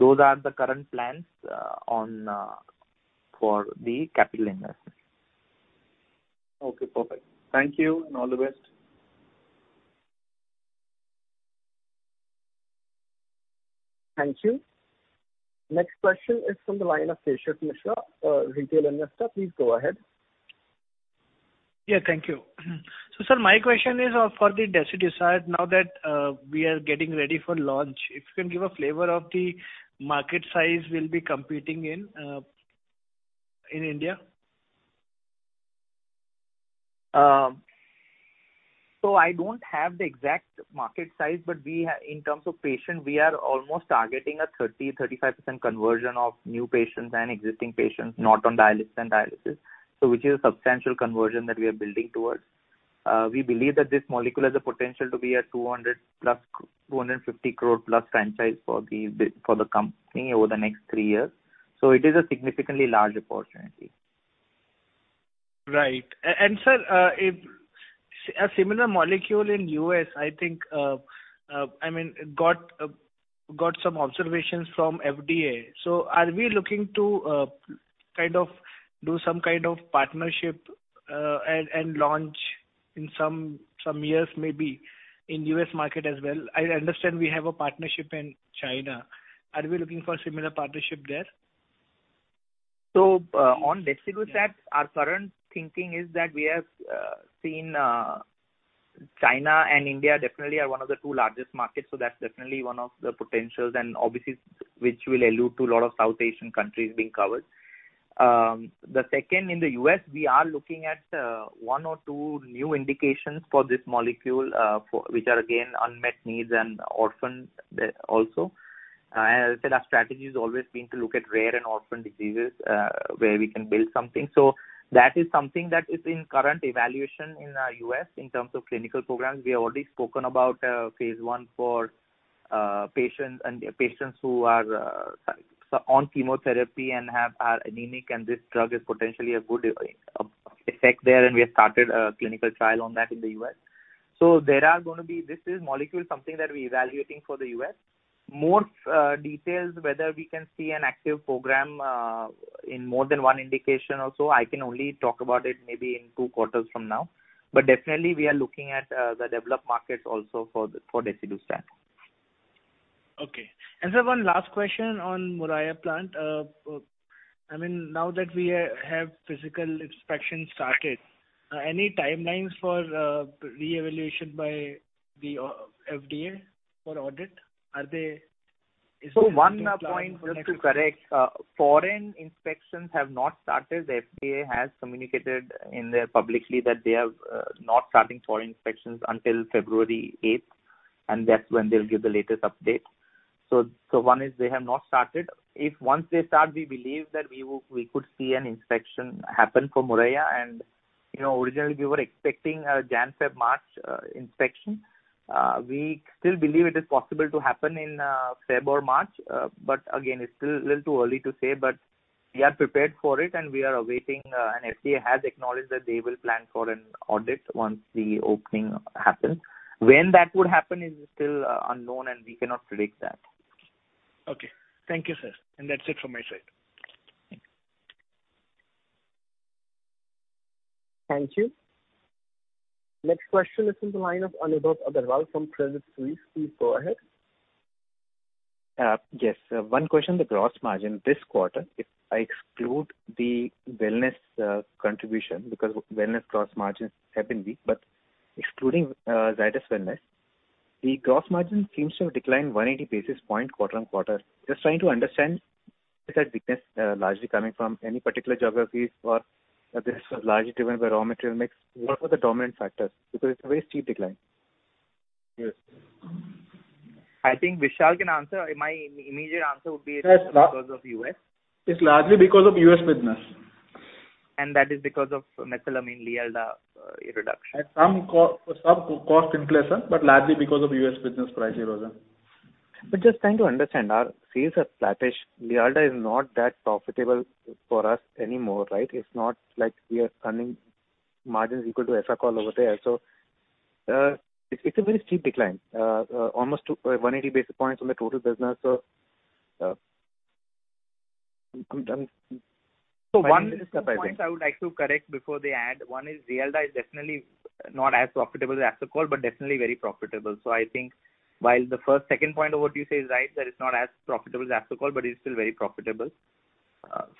Those are the current plans on for the capital investments. Okay, perfect. Thank you and all the best. Thank you. Next question is from the line of Keshav Mishra, Retail Investor. Please go ahead. Yeah, thank you. Sir, my question is for the Desidustat. Now that we are getting ready for launch, if you can give a flavor of the market size we'll be competing in India. I don't have the exact market size, but we in terms of patient, we are almost targeting a 30% to 35% conversion of new patients and existing patients not on dialysis and dialysis. Which is a substantial conversion that we are building towards. We believe that this molecule has the potential to be a 200+ crore, 250+ crore franchise for the company over the next three years. It is a significantly large opportunity. Right. Sir, if such a similar molecule in U.S., I think, I mean, got some observations from FDA. Are we looking to kind of do some kind of partnership and launch in some years, maybe in U.S. market as well? I understand we have a partnership in China. Are we looking for a similar partnership there? On Desidustat, our current thinking is that we have seen China and India definitely are one of the two largest markets, so that's definitely one of the potentials and obviously which will include a lot of South Asian countries being covered. The second in the U.S., we are looking at one or two new indications for this molecule, for which are again unmet needs and also. As I said, our strategy has always been to look at rare and orphan diseases, where we can build something. That is something that is in current evaluation in U.S. in terms of clinical programs. We have already spoken about phase I for patients who are on chemotherapy and are anemic, and this drug is potentially a good effect there, and we have started a clinical trial on that in the U.S. There are gonna be. This is molecule something that we're evaluating for the U.S. More details whether we can see an active program in more than one indication also, I can only talk about it maybe in two quarters from now. Definitely we are looking at the developed markets also for Desidustat. Okay. Sir, one last question on Moraiya plant. I mean, now that we have physical inspection started, any timelines for reevaluation by the FDA for audit? Is there any plan for next? One point just to correct. Foreign inspections have not started. The FDA has communicated in there publicly that they have not starting foreign inspections until February eighth, and that's when they'll give the latest update. One is they have not started. If once they start, we believe that we could see an inspection happen for Moraiya and, you know, originally we were expecting a January, February, March inspection. We still believe it is possible to happen in February or March. But again, it's still a little too early to say, but we are prepared for it and we are awaiting, and FDA has acknowledged that they will plan for an audit once the opening happens. When that would happen is still unknown and we cannot predict that. Okay. Thank you, sir. That's it from my side. Thank you. Thank you. Next question is from the line of Anubhav Agarwal from Credit Suisse. Please go ahead. Yes. One question, the gross margin this quarter, if I exclude the wellness contribution because wellness gross margins have been weak, but excluding Zydus Wellness, the gross margin seems to have declined 180 basis points quarter-on-quarter. Just trying to understand, is that weakness largely coming from any particular geographies or this was largely driven by raw material mix. What were the dominant factors? Because it's a very steep decline. Yes. I think Vishal can answer. My immediate answer would be it's because of U.S. It's largely because of U.S. business. That is because of mesalamine Lialda reduction. Some cost inflation, but largely because of U.S. business price erosion. Just trying to understand, our sales are flattish. Lialda is not that profitable for us anymore, right? It's not like we are earning margins equal to Asacol over there. It's a very steep decline. Almost 180 basis points on the total business. I'm One, two points I would like to correct before they add. One is Lialda is definitely not as profitable as Asacol, but definitely very profitable. I think while the second point of what you say is right, that it's not as profitable as Asacol, but it's still very profitable.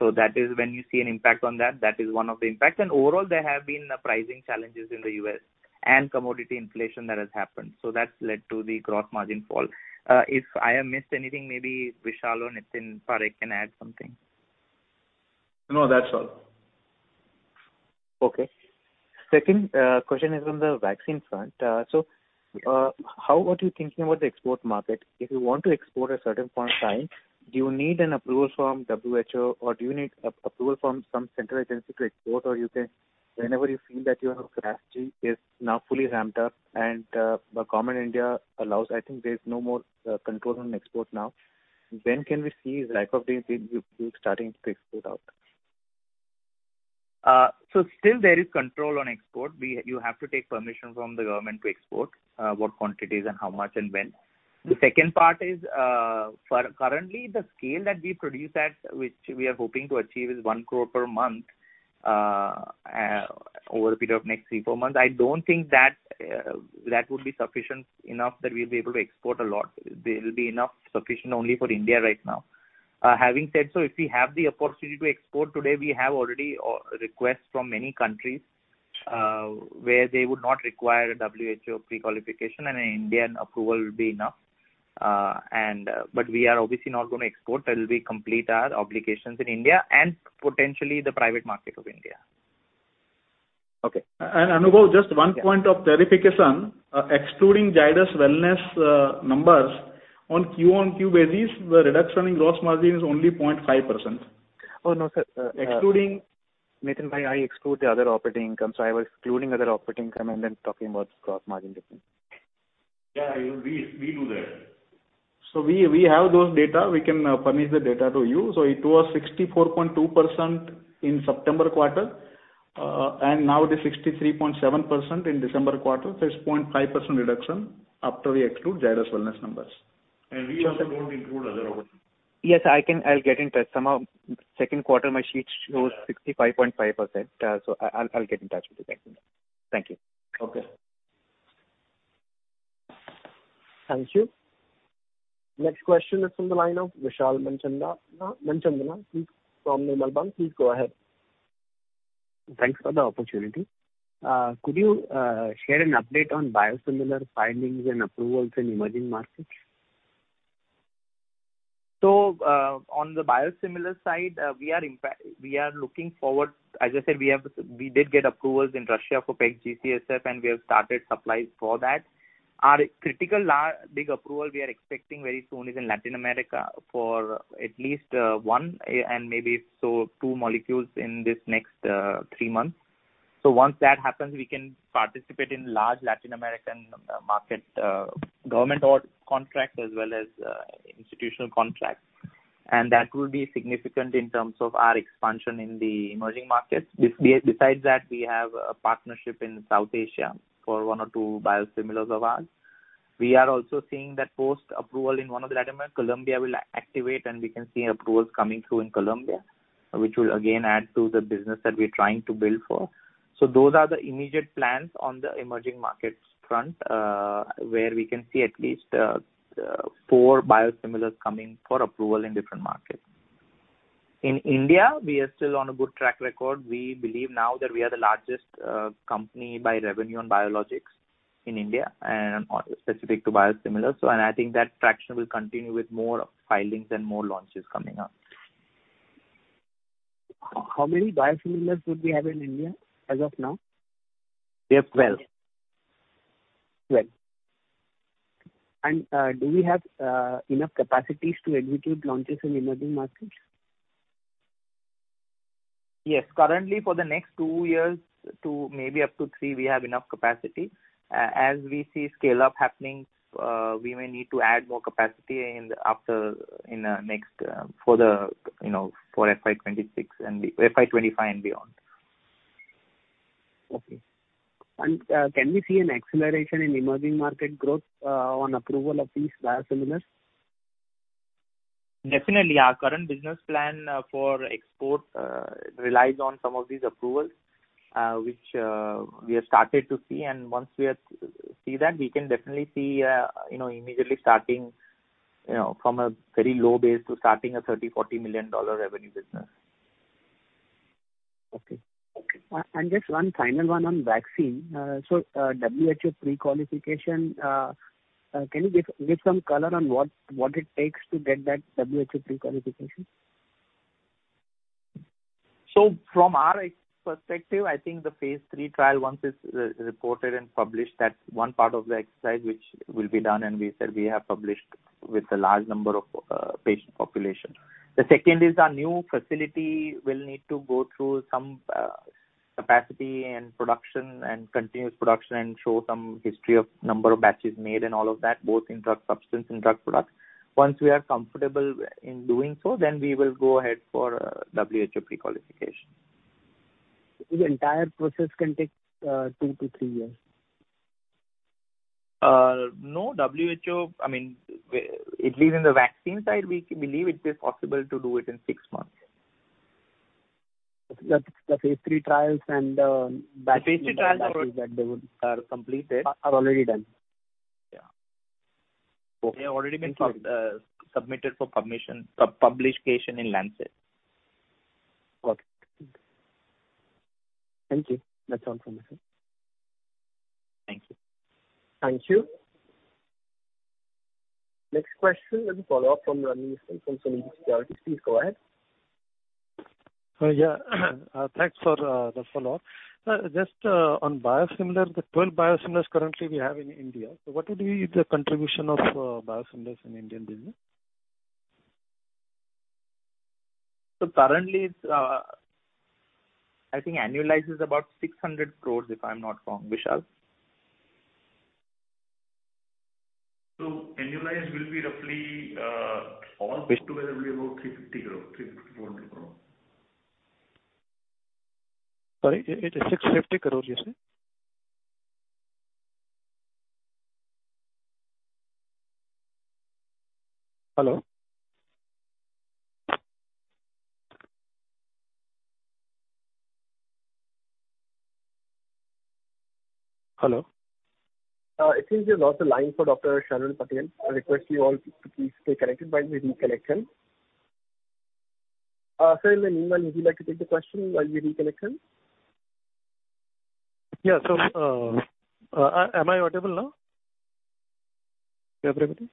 That is when you see an impact on that is one of the impacts. Overall, there have been pricing challenges in the U.S. and commodity inflation that has happened. That's led to the gross margin fall. If I have missed anything, maybe Vishal or Nitin Parekh can add something. No, that's all. Okay. Second question is on the vaccine front. How are you thinking about the export market? If you want to export at a certain point of time, do you need an approval from WHO or do you need an approval from some central agency to export or you can whenever you feel that your capacity is now fully ramped up and the Government of India allows, I think there is no more control on export now. When can we see ZyCoV-D being starting to export out? Still there is control on export. You have to take permission from the government to export what quantities and how much and when. The second part is, for currently the scale that we produce at which we are hoping to achieve is one crore per month, over a period of next three, four months. I don't think that would be sufficient enough that we'll be able to export a lot. There will be enough sufficient only for India right now. Having said so, if we have the opportunity to export today, we have already a request from many countries, where they would not require a WHO prequalification and an Indian approval will be enough. We are obviously not gonna export till we complete our obligations in India and potentially the private market of India. Okay. Anubhav, just one point of clarification. Excluding Zydus Wellness, numbers on QonQ basis, the reduction in gross margin is only 0.5%. Oh, no, sir. Excluding Nithin, I exclude the other operating income, so I was excluding other operating income and then talking about gross margin difference. Yeah. We do that. We have those data. We can furnish the data to you. It was 64.2% in September quarter, and now it is 63.7% in December quarter. It's 0.5% reduction after we exclude Zydus Wellness numbers. We also don't include other operating. Yes, I can. I'll get in touch. Somehow Q2 my sheet shows 65.5%. So I'll get in touch with you. Thank you. Okay. Thank you. Next question is from the line of Vishal Manchanda from Nirmal Bang. Please go ahead. Thanks for the opportunity. Could you share an update on biosimilar filings and approvals in emerging markets? On the biosimilar side, we are looking forward. As I said, we did get approvals in Russia for Peg-GCSF, and we have started supplies for that. Our critical big approval we are expecting very soon is in Latin America for at least one and maybe two molecules in this next three months. Once that happens, we can participate in large Latin American market, government or contracts as well as institutional contracts. That will be significant in terms of our expansion in the emerging markets. Besides that, we have a partnership in South Asia for one or two biosimilars of ours. We are also seeing that post-approval in one of the Latin America, Colombia will activate, and we can see approvals coming through in Colombia, which will again add to the business that we're trying to build for. Those are the immediate plans on the emerging markets front, where we can see at least four biosimilars coming for approval in different markets. In India, we are still on a good track record. We believe now that we are the largest company by revenue on biologics in India and specific to biosimilars. I think that traction will continue with more filings and more launches coming up. How many biosimilars do we have in India as of now? We have 12. 12. Do we have enough capacities to execute launches in emerging markets? Yes. Currently, for the next two years to maybe up to three, we have enough capacity. As we see scale-up happening, we may need to add more capacity in the next, you know, for FY 2025 and beyond. Okay. Can we see an acceleration in emerging market growth on approval of these biosimilars? Definitely. Our current business plan for export relies on some of these approvals which we have started to see. Once we have seen that, we can definitely see, you know, immediately starting, you know, from a very low base to starting a $30 million to $40 million revenue business. Okay. Just one final one on vaccine. Can you give some color on what it takes to get that WHO prequalification? From our perspective, I think the phase III trial, once it's reported and published, that's one part of the exercise which will be done, and we said we have published with a large number of patient population. The second is our new facility will need to go through some capacity and production and continuous production and show some history of number of batches made and all of that, both in drug substance and drug products. Once we are comfortable in doing so, then we will go ahead for WHO prequalification. The entire process can take two to three years. No. WHO, I mean, at least in the vaccine side, we believe it is possible to do it in six months. The phase III trials and batch The phase III trials are. They are completed. Are already done. Yeah. Cool. They have already been submitted for publication in Lancet. Okay. Thank you. That's all from my side. Thank you. Thank you. Next question is a follow-up from Dalmit Singh from Sunidhi Securities. Please go ahead. Thanks for the follow-up. Just on biosimilars, the 12 biosimilars we currently have in India. What would be the contribution of biosimilars in Indian business? Currently it's, I think annualized is about 600 crores, if I'm not wrong. Vishal? Annualized will be roughly, all put together will be about 350 crore to 400 crore. Sorry, it's 650 crore you say? Hello? Hello? It seems we lost the line for Dr. Sharvil Patel. I request you all to please stay connected while we reconnect. Sir, Nitin, would you like to take the question while we reconnect? Yeah. Am I audible now? Yeah, pretty good.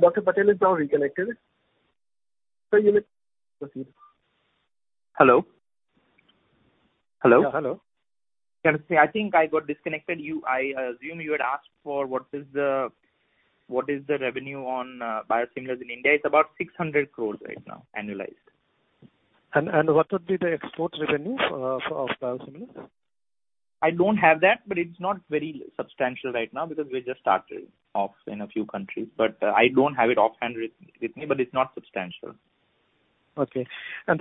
Dr. Patel is now reconnected. Sir, you may proceed. Hello? Hello. Yeah. Hello. Can you see? I think I got disconnected. I assume you had asked for what is the revenue on biosimilars in India. It's about 600 crores right now, annualized. What would be the export revenue for of biosimilars? I don't have that, but it's not very substantial right now because we just started off in a few countries. I don't have it offhand with me, but it's not substantial. Okay.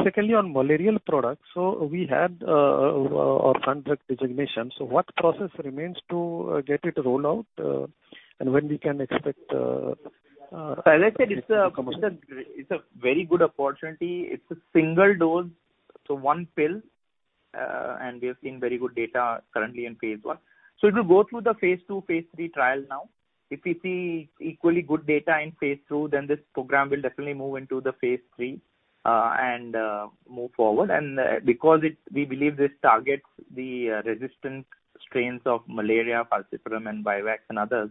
Secondly, on malarial products. We had our contract designation. What process remains to get it roll out, and when we can expect As I said, it's a very good opportunity. It's a single dose, so one pill. We have seen very good data currently in phase I. It will go through the phase II, phase III trial now. If we see equally good data in phase II, then this program will definitely move into the phase III and move forward. Because we believe this targets the resistant strains of malaria, falciparum and vivax and others,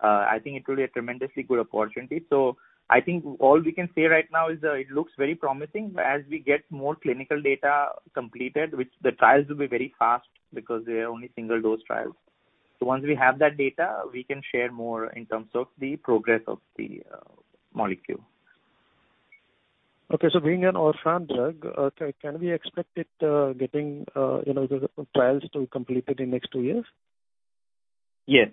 I think it will be a tremendously good opportunity. I think all we can say right now is it looks very promising. But as we get more clinical data completed, the trials will be very fast because they are only single-dose trials. Once we have that data, we can share more in terms of the progress of the molecule. Okay. Being an orphan drug, can we expect it getting, you know, the trials to be completed in next two years? Yes.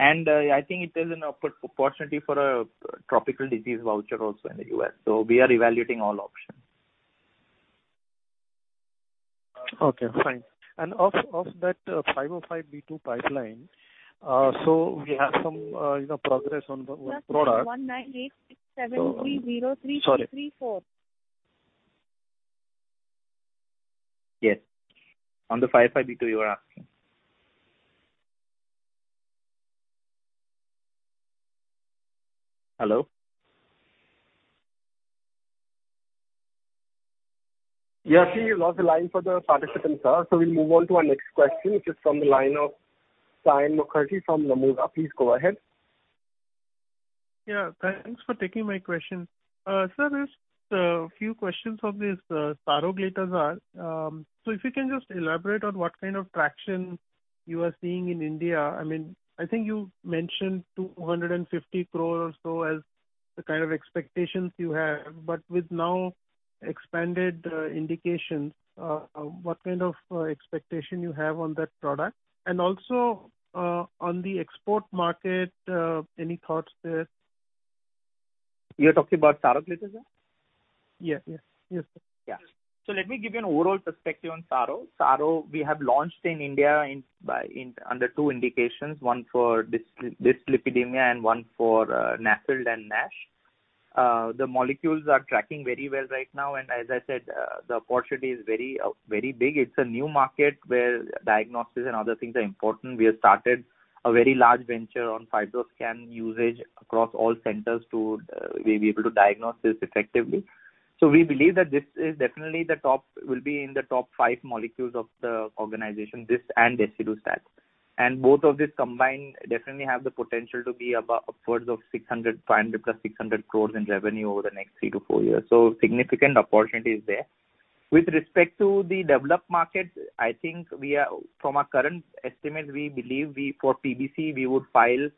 I think it is an opportunity for a tropical disease voucher also in the U.S. We are evaluating all options. Okay, fine. Of that 505(b)(2) pipeline, we have some, you know, progress on the product. Testing 1986730334. Sorry. Yes. On the 505(b)(2) you were asking. Hello? Yeah. I see you lost the line for the participant, sir. We'll move on to our next question, which is from the line of Saion Mukherjee from Nomura. Please go ahead. Yeah. Thanks for taking my question. Sir, there's a few questions on this Saroglitazar. If you can just elaborate on what kind of traction you are seeing in India. I mean, I think you mentioned 250 crore or so as the kind of expectations you have. With now expanded indications, what kind of expectation you have on that product? Also, on the export market, any thoughts there? You're talking about Saroglitazar? Yeah. Yes. Yes, sir. Yeah. Let me give you an overall perspective on Saro. Saro, we have launched in India under two indications, one for dyslipidemia and one for NASH. The molecules are tracking very well right now, and as I said, the opportunity is very, very big. It's a new market where diagnostics and other things are important. We have started a very large venture on FibroScan usage across all centers to be able to diagnose this effectively. We believe that this will definitely be in the top five molecules of the organization, this and Desidustat. Both of these combined definitely have the potential to be upwards of 500 + 600 crores in revenue over the next three to four years. Significant opportunity is there. With respect to the developed markets, I think we are. From our current estimate, we believe for PBC we would file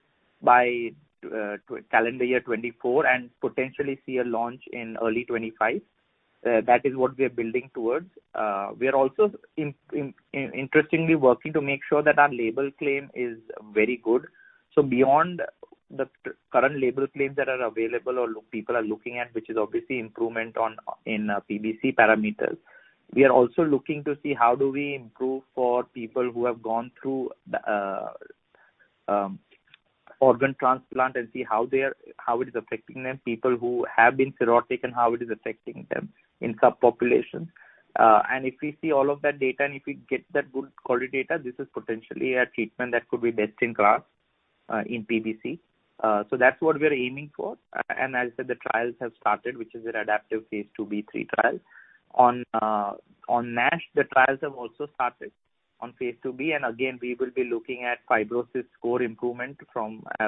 by calendar year 2024 and potentially see a launch in early 2025. That is what we are building towards. We are also interestingly working to make sure that our label claim is very good. Beyond the current label claims that are available or what people are looking at, which is obviously improvement in PBC parameters. We are also looking to see how do we improve for people who have gone through the organ transplant and see how it is affecting them, people who have been cirrhotic and how it is affecting them in subpopulations. If we see all of that data, and if we get that good quality data, this is potentially a treatment that could be best in class in PBC. That's what we are aiming for. As I said, the trials have started, which is an adaptive phase II(b)/III trial. On NASH, the trials have also started on phase II(b). Again, we will be looking at fibrosis score improvement,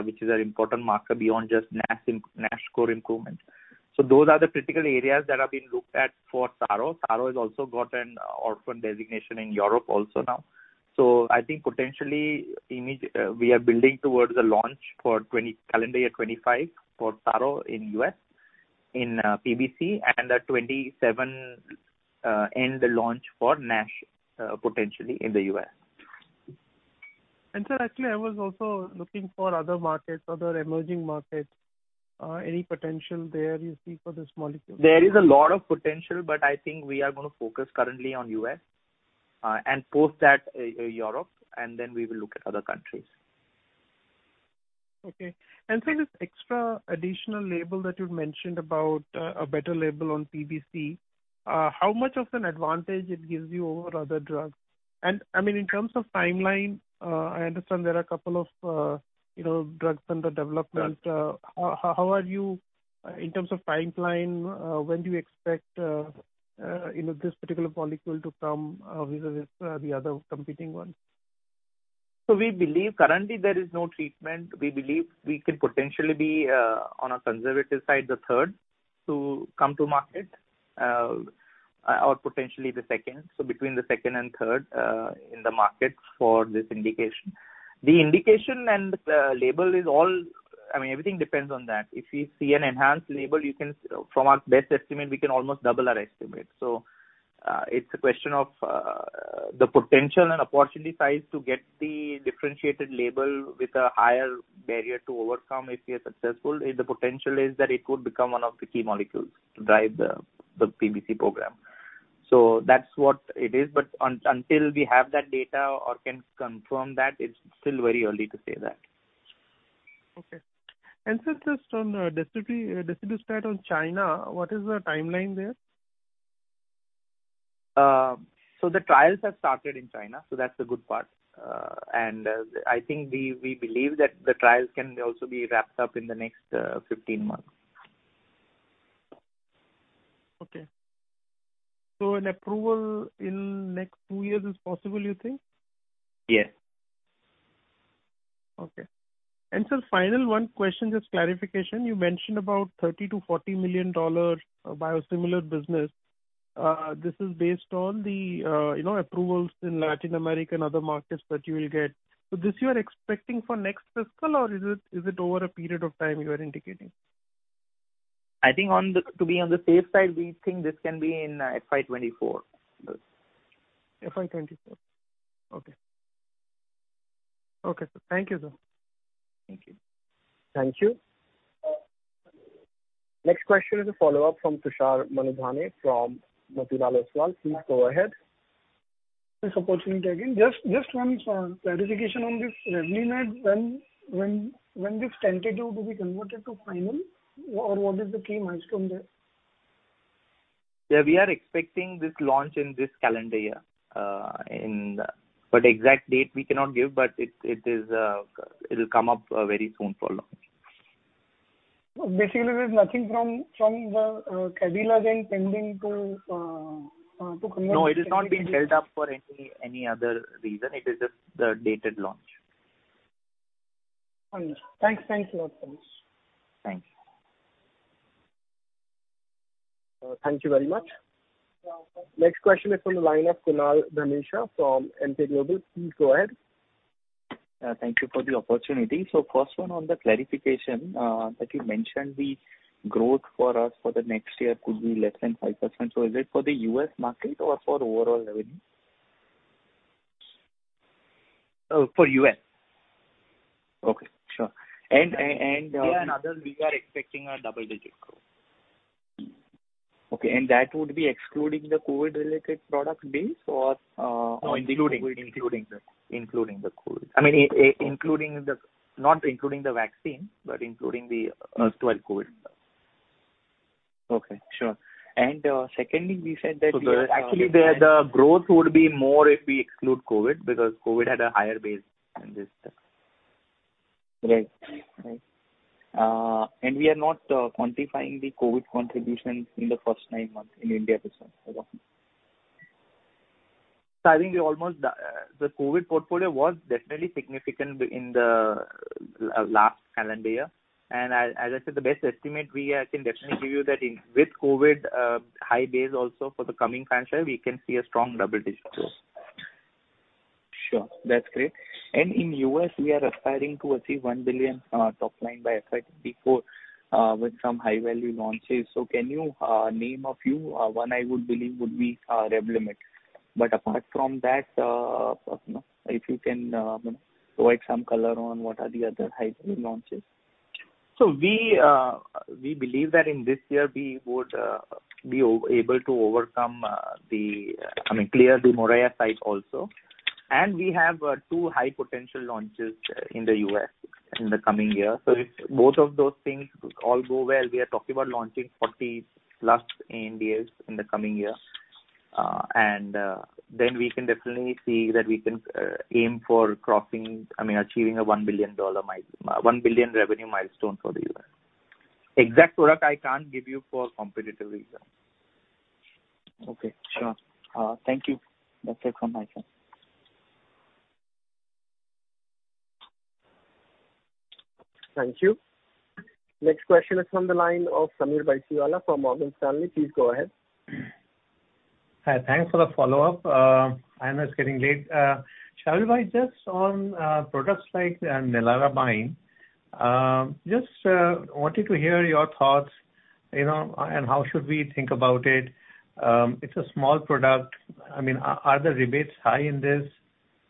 which is an important marker beyond just NASH score improvement. Those are the critical areas that are being looked at for Saro. Saro has also got an orphan designation in Europe also now. I think potentially we are building towards a launch for 2025 calendar year for Saro in U.S. in PBC and at 2027 end the launch for NASH potentially in the U.S. Sir, actually, I was also looking for other markets, other emerging markets. Any potential there you see for this molecule? There is a lot of potential, but I think we are gonna focus currently on U.S. Post that, Europe, and then we will look at other countries. Okay. Sir, this extra additional label that you'd mentioned about a better label on PBC, how much of an advantage it gives you over other drugs? I mean, in terms of timeline, I understand there are a couple of you know, drugs under development. How are you in terms of timeline? When do you expect you know, this particular molecule to come vis-a-vis the other competing ones? We believe currently there is no treatment. We believe we could potentially be, on a conservative side, the third to come to market, or potentially the second. Between the second and third, in the market for this indication. The indication and label is all. I mean, everything depends on that. If we see an enhanced label, you can almost double our estimate. From our best estimate, we can almost double our estimate. It's a question of the potential and opportunity size to get the differentiated label with a higher barrier to overcome if we are successful. If the potential is that it could become one of the key molecules to drive the PBC program. That's what it is. But until we have that data or can confirm that, it's still very early to say that. Okay. Sir, just on Desidustat spread on China, what is the timeline there? The trials have started in China, that's the good part. I think we believe that the trials can also be wrapped up in the next 15 months. Okay. An approval in next two years is possible, you think? Yes. Okay. Sir, final one question, just clarification. You mentioned about $30 million to $40 million biosimilar business. This is based on the, you know, approvals in Latin America and other markets that you will get. This you are expecting for next fiscal, or is it over a period of time you are indicating? To be on the safe side, we think this can be in FY 2024. FY 2024. Okay. Okay, sir. Thank you, sir. Thank you. Thank you. Next question is a follow-up from Tushar Manudhane from Motilal Oswal. Please go ahead. Thanks, opportunity again. Just one clarification on this Revlimid. When this tentative will be converted to final? Or what is the key milestone there? Yeah. We are expecting this launch in this calendar year. Exact date we cannot give, but it is, it'll come up very soon for launch. Basically there's nothing from the Cadila end pending to convert. No, it is not being held up for any other reason. It is just the delayed launch. Understood. Thanks. Thanks a lot, Tushar. Thank you. Thank you very much. Welcome. Next question is from the line of Kunal Dhamesha from Emkay Global. Please go ahead. Thank you for the opportunity. First one on the clarification, that you mentioned the growth for us for the next year could be less than 5%. Is it for the U.S. market or for overall revenue? For U.S. Okay. Sure. India and other, we are expecting a double-digit growth. Okay. That would be excluding the COVID-related product base or? No, including. Including the COVID. I mean, including the. Not including the vaccine, but including the other COVID. Okay. Sure. Secondly, we said that. Actually the growth would be more if we exclude COVID, because COVID had a higher base than this. Right. Right. We are not quantifying the COVID contributions in the first nine months in India this one, over. I think we almost. The COVID portfolio was definitely significant within the last calendar year. As I said, the best estimate we can definitely give you is that with COVID high base also for the coming financial year, we can see a strong double-digit growth. Sure. That's great. In the U.S. we are aspiring to achieve $1 billion top line by FY 2024 with some high-value launches. Can you name a few? One I would believe would be Revlimid. But apart from that, you know, if you can, you know, provide some color on what are the other high-value launches. We believe that in this year we would be able to overcome, I mean, clear the Moraiya site also. We have two high potential launches in the U.S. in the coming year. If both of those things all go well, we are talking about launching 40+ ANDAs in the coming year. We can definitely see that we can aim for crossing, I mean, achieving a $1 billion revenue milestone for the U.S. Exact product I can't give you for competitive reasons. Okay. Sure. Thank you. That's it from my side. Thank you. Next question is from the line of Sameer Baisiwale from Morgan Stanley. Please go ahead. Hi. Thanks for the follow-up. I know it's getting late. Products like Nilotinib. Just wanted to hear your thoughts, you know, and how should we think about it. It's a small product. I mean, are the rebates high in this?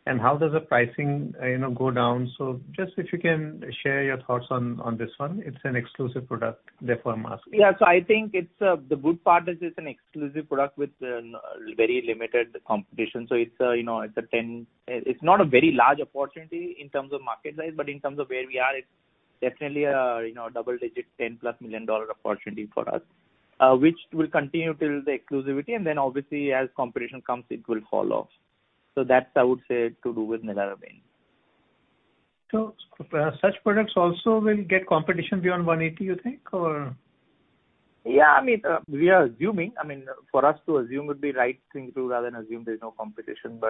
And how does the pricing, you know, go down? Just if you can share your thoughts on this one. It's an exclusive product, therefore I'm asking. Yeah. I think it's the good part is it's an exclusive product with very limited competition. You know, it's not a very large opportunity in terms of market size, but in terms of where we are, it's definitely a you know, double-digit $10+ million opportunity for us, which will continue till the exclusivity, and then obviously as competition comes, it will fall off. That's I would say to do with Nilotinib. Such products also will get competition beyond one AT you think or? Yeah, I mean, we are assuming, I mean, for us to assume would be right thing to do rather than assume there's no competition.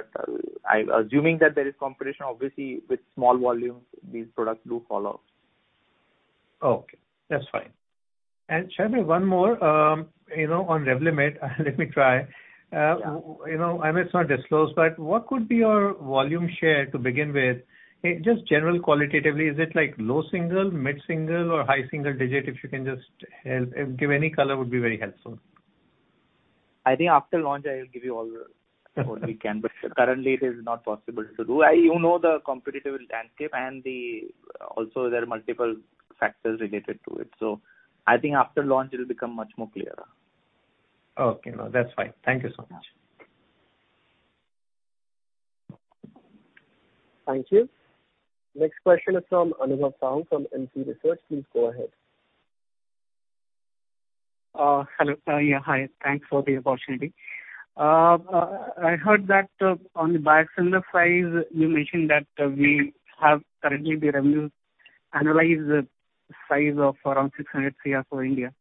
I'm assuming that there is competition. Obviously, with small volumes, these products do fall off. Okay, that's fine. Sharvil, one more, you know, on Revlimid. Let me try. Yeah. You know, I mean, it's not disclosed, but what could be your volume share to begin with? Just general qualitatively, is it like low single, mid-single or high single digit? If you can just help, give any color would be very helpful. I think after launch I will give you all the what we can, but currently it is not possible to do. You know the competitive landscape and the. Also there are multiple factors related to it. I think after launch it'll become much more clearer. Okay. No, that's fine. Thank you so much. Yeah. Thank you. Next question is from Anup Sahu from ICICI Securities. Please go ahead. Hello. Yeah, hi. Thanks for the opportunity. I heard that on the biosimilar side, you mentioned that we have currently the revenue annualized size of around 600 crore for India.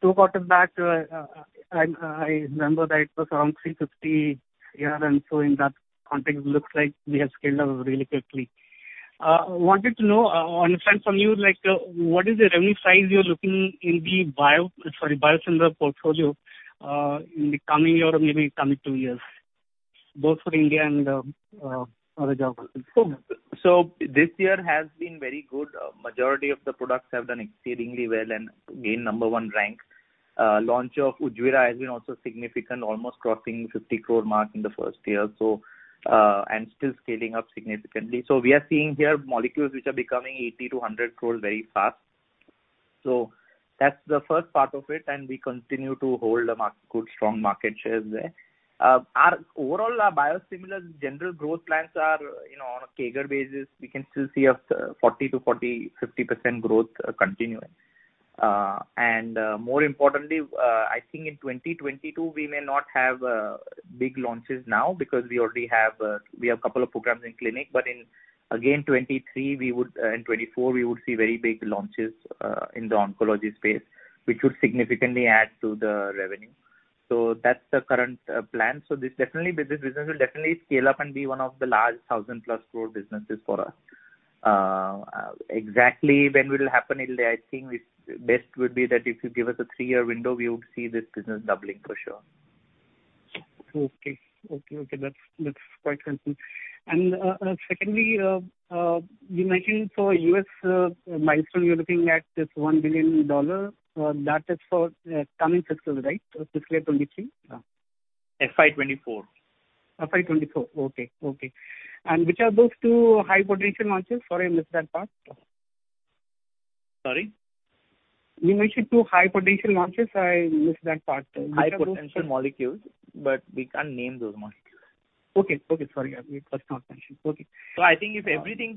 Two quarters back, I remember that it was around 350 crore. In that context, looks like we have scaled up really quickly. Wanted to know, understand from you, like, what is the revenue size you're looking in the biosimilar portfolio in the coming year or maybe coming two years, both for India and other geographies? This year has been very good. Majority of the products have done exceedingly well and gained number one rank. Launch of Ujvira has been also significant, almost crossing 50 crore mark in the first year, and still scaling up significantly. We are seeing here molecules which are becoming 80 crore to 100 crore very fast. That's the first part of it, and we continue to hold good strong market shares there. Our overall biosimilar general growth plans are on a CAGR basis we can still see a 40% to 50% growth continuing. More importantly, I think in 2022 we may not have big launches now because we already have a couple of programs in clinic. In 2023 again we would in 2024 we would see very big launches in the oncology space, which would significantly add to the revenue. That's the current plan. This definitely, this business will definitely scale up and be one of the large 1,000-plus crore businesses for us. Exactly when will happen, I think it's best would be that if you give us a three-year window, we would see this business doubling for sure. Okay. That's quite helpful. Secondly, you mentioned for U.S., milestone, you're looking at this $1 billion. That is for coming fiscal, right? Fiscal 2023? Yeah. FY 2024. FY 2024. Okay. Okay. Which are those two high potential launches? Sorry, I missed that part. Sorry? You mentioned two high potential launches. I missed that part. Which are those two? High potential molecules, but we can't name those molecules. Okay. Sorry. Yeah. We first not mentioned. Okay. I think if everything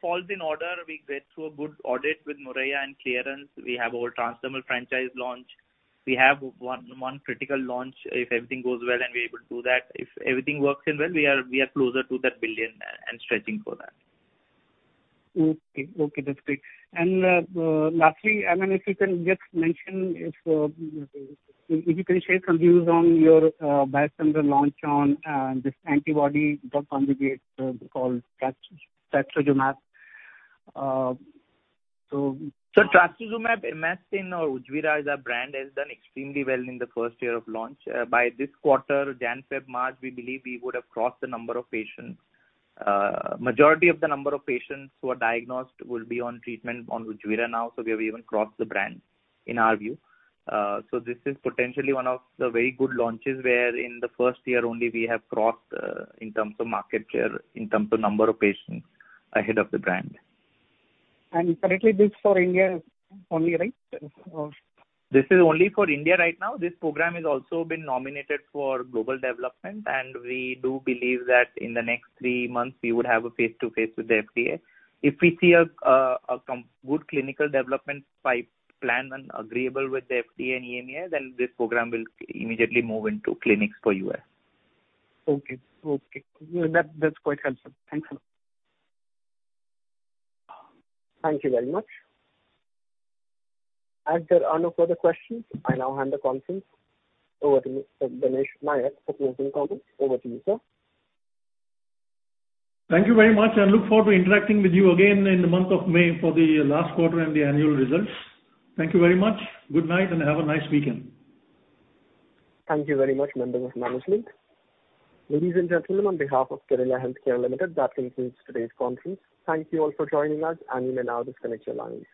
falls in order, we get through a good audit with Moraiya and clearance, we have our transdermal franchise launch. We have one critical launch. If everything goes well and we're able to do that, if everything works well, we are closer to that $1 billion and stretching for that. Okay. Okay. That's great. Lastly, I mean, if you can just mention if you can share some views on your biosimilar launch on this antibody drug conjugate called Trastuzumab. So? Trastuzumab Emtansine or Ujvira is our brand, has done extremely well in the first year of launch. By this quarter, January, February, March, we believe we would have crossed the number of patients. Majority of the number of patients who are diagnosed will be on treatment on Ujvira now. We have even crossed the brand in our view. This is potentially one of the very good launches where in the first year only we have crossed, in terms of market share, in terms of number of patients ahead of the brand. Currently this for India only, right? This is only for India right now. This program has also been nominated for global development, and we do believe that in the next three months we would have a face-to-face with the FDA. If we see a good clinical development pipeline plan and agreeable with the FDA and EMA, then this program will immediately move into clinics for the U.S. Okay. That, that's quite helpful. Thanks a lot. Thank you very much. As there are no further questions, I now hand the conference over to Mr. Ganesh Nayak for closing comments. Over to you, sir. Thank you very much, and I look forward to interacting with you again in the month of May for the last quarter and the annual results. Thank you very much. Good night, and have a nice weekend. Thank you very much, members of management. Ladies and gentlemen, on behalf of Cadila Healthcare Limited, that concludes today's conference. Thank you all for joining us, and you may now disconnect your lines.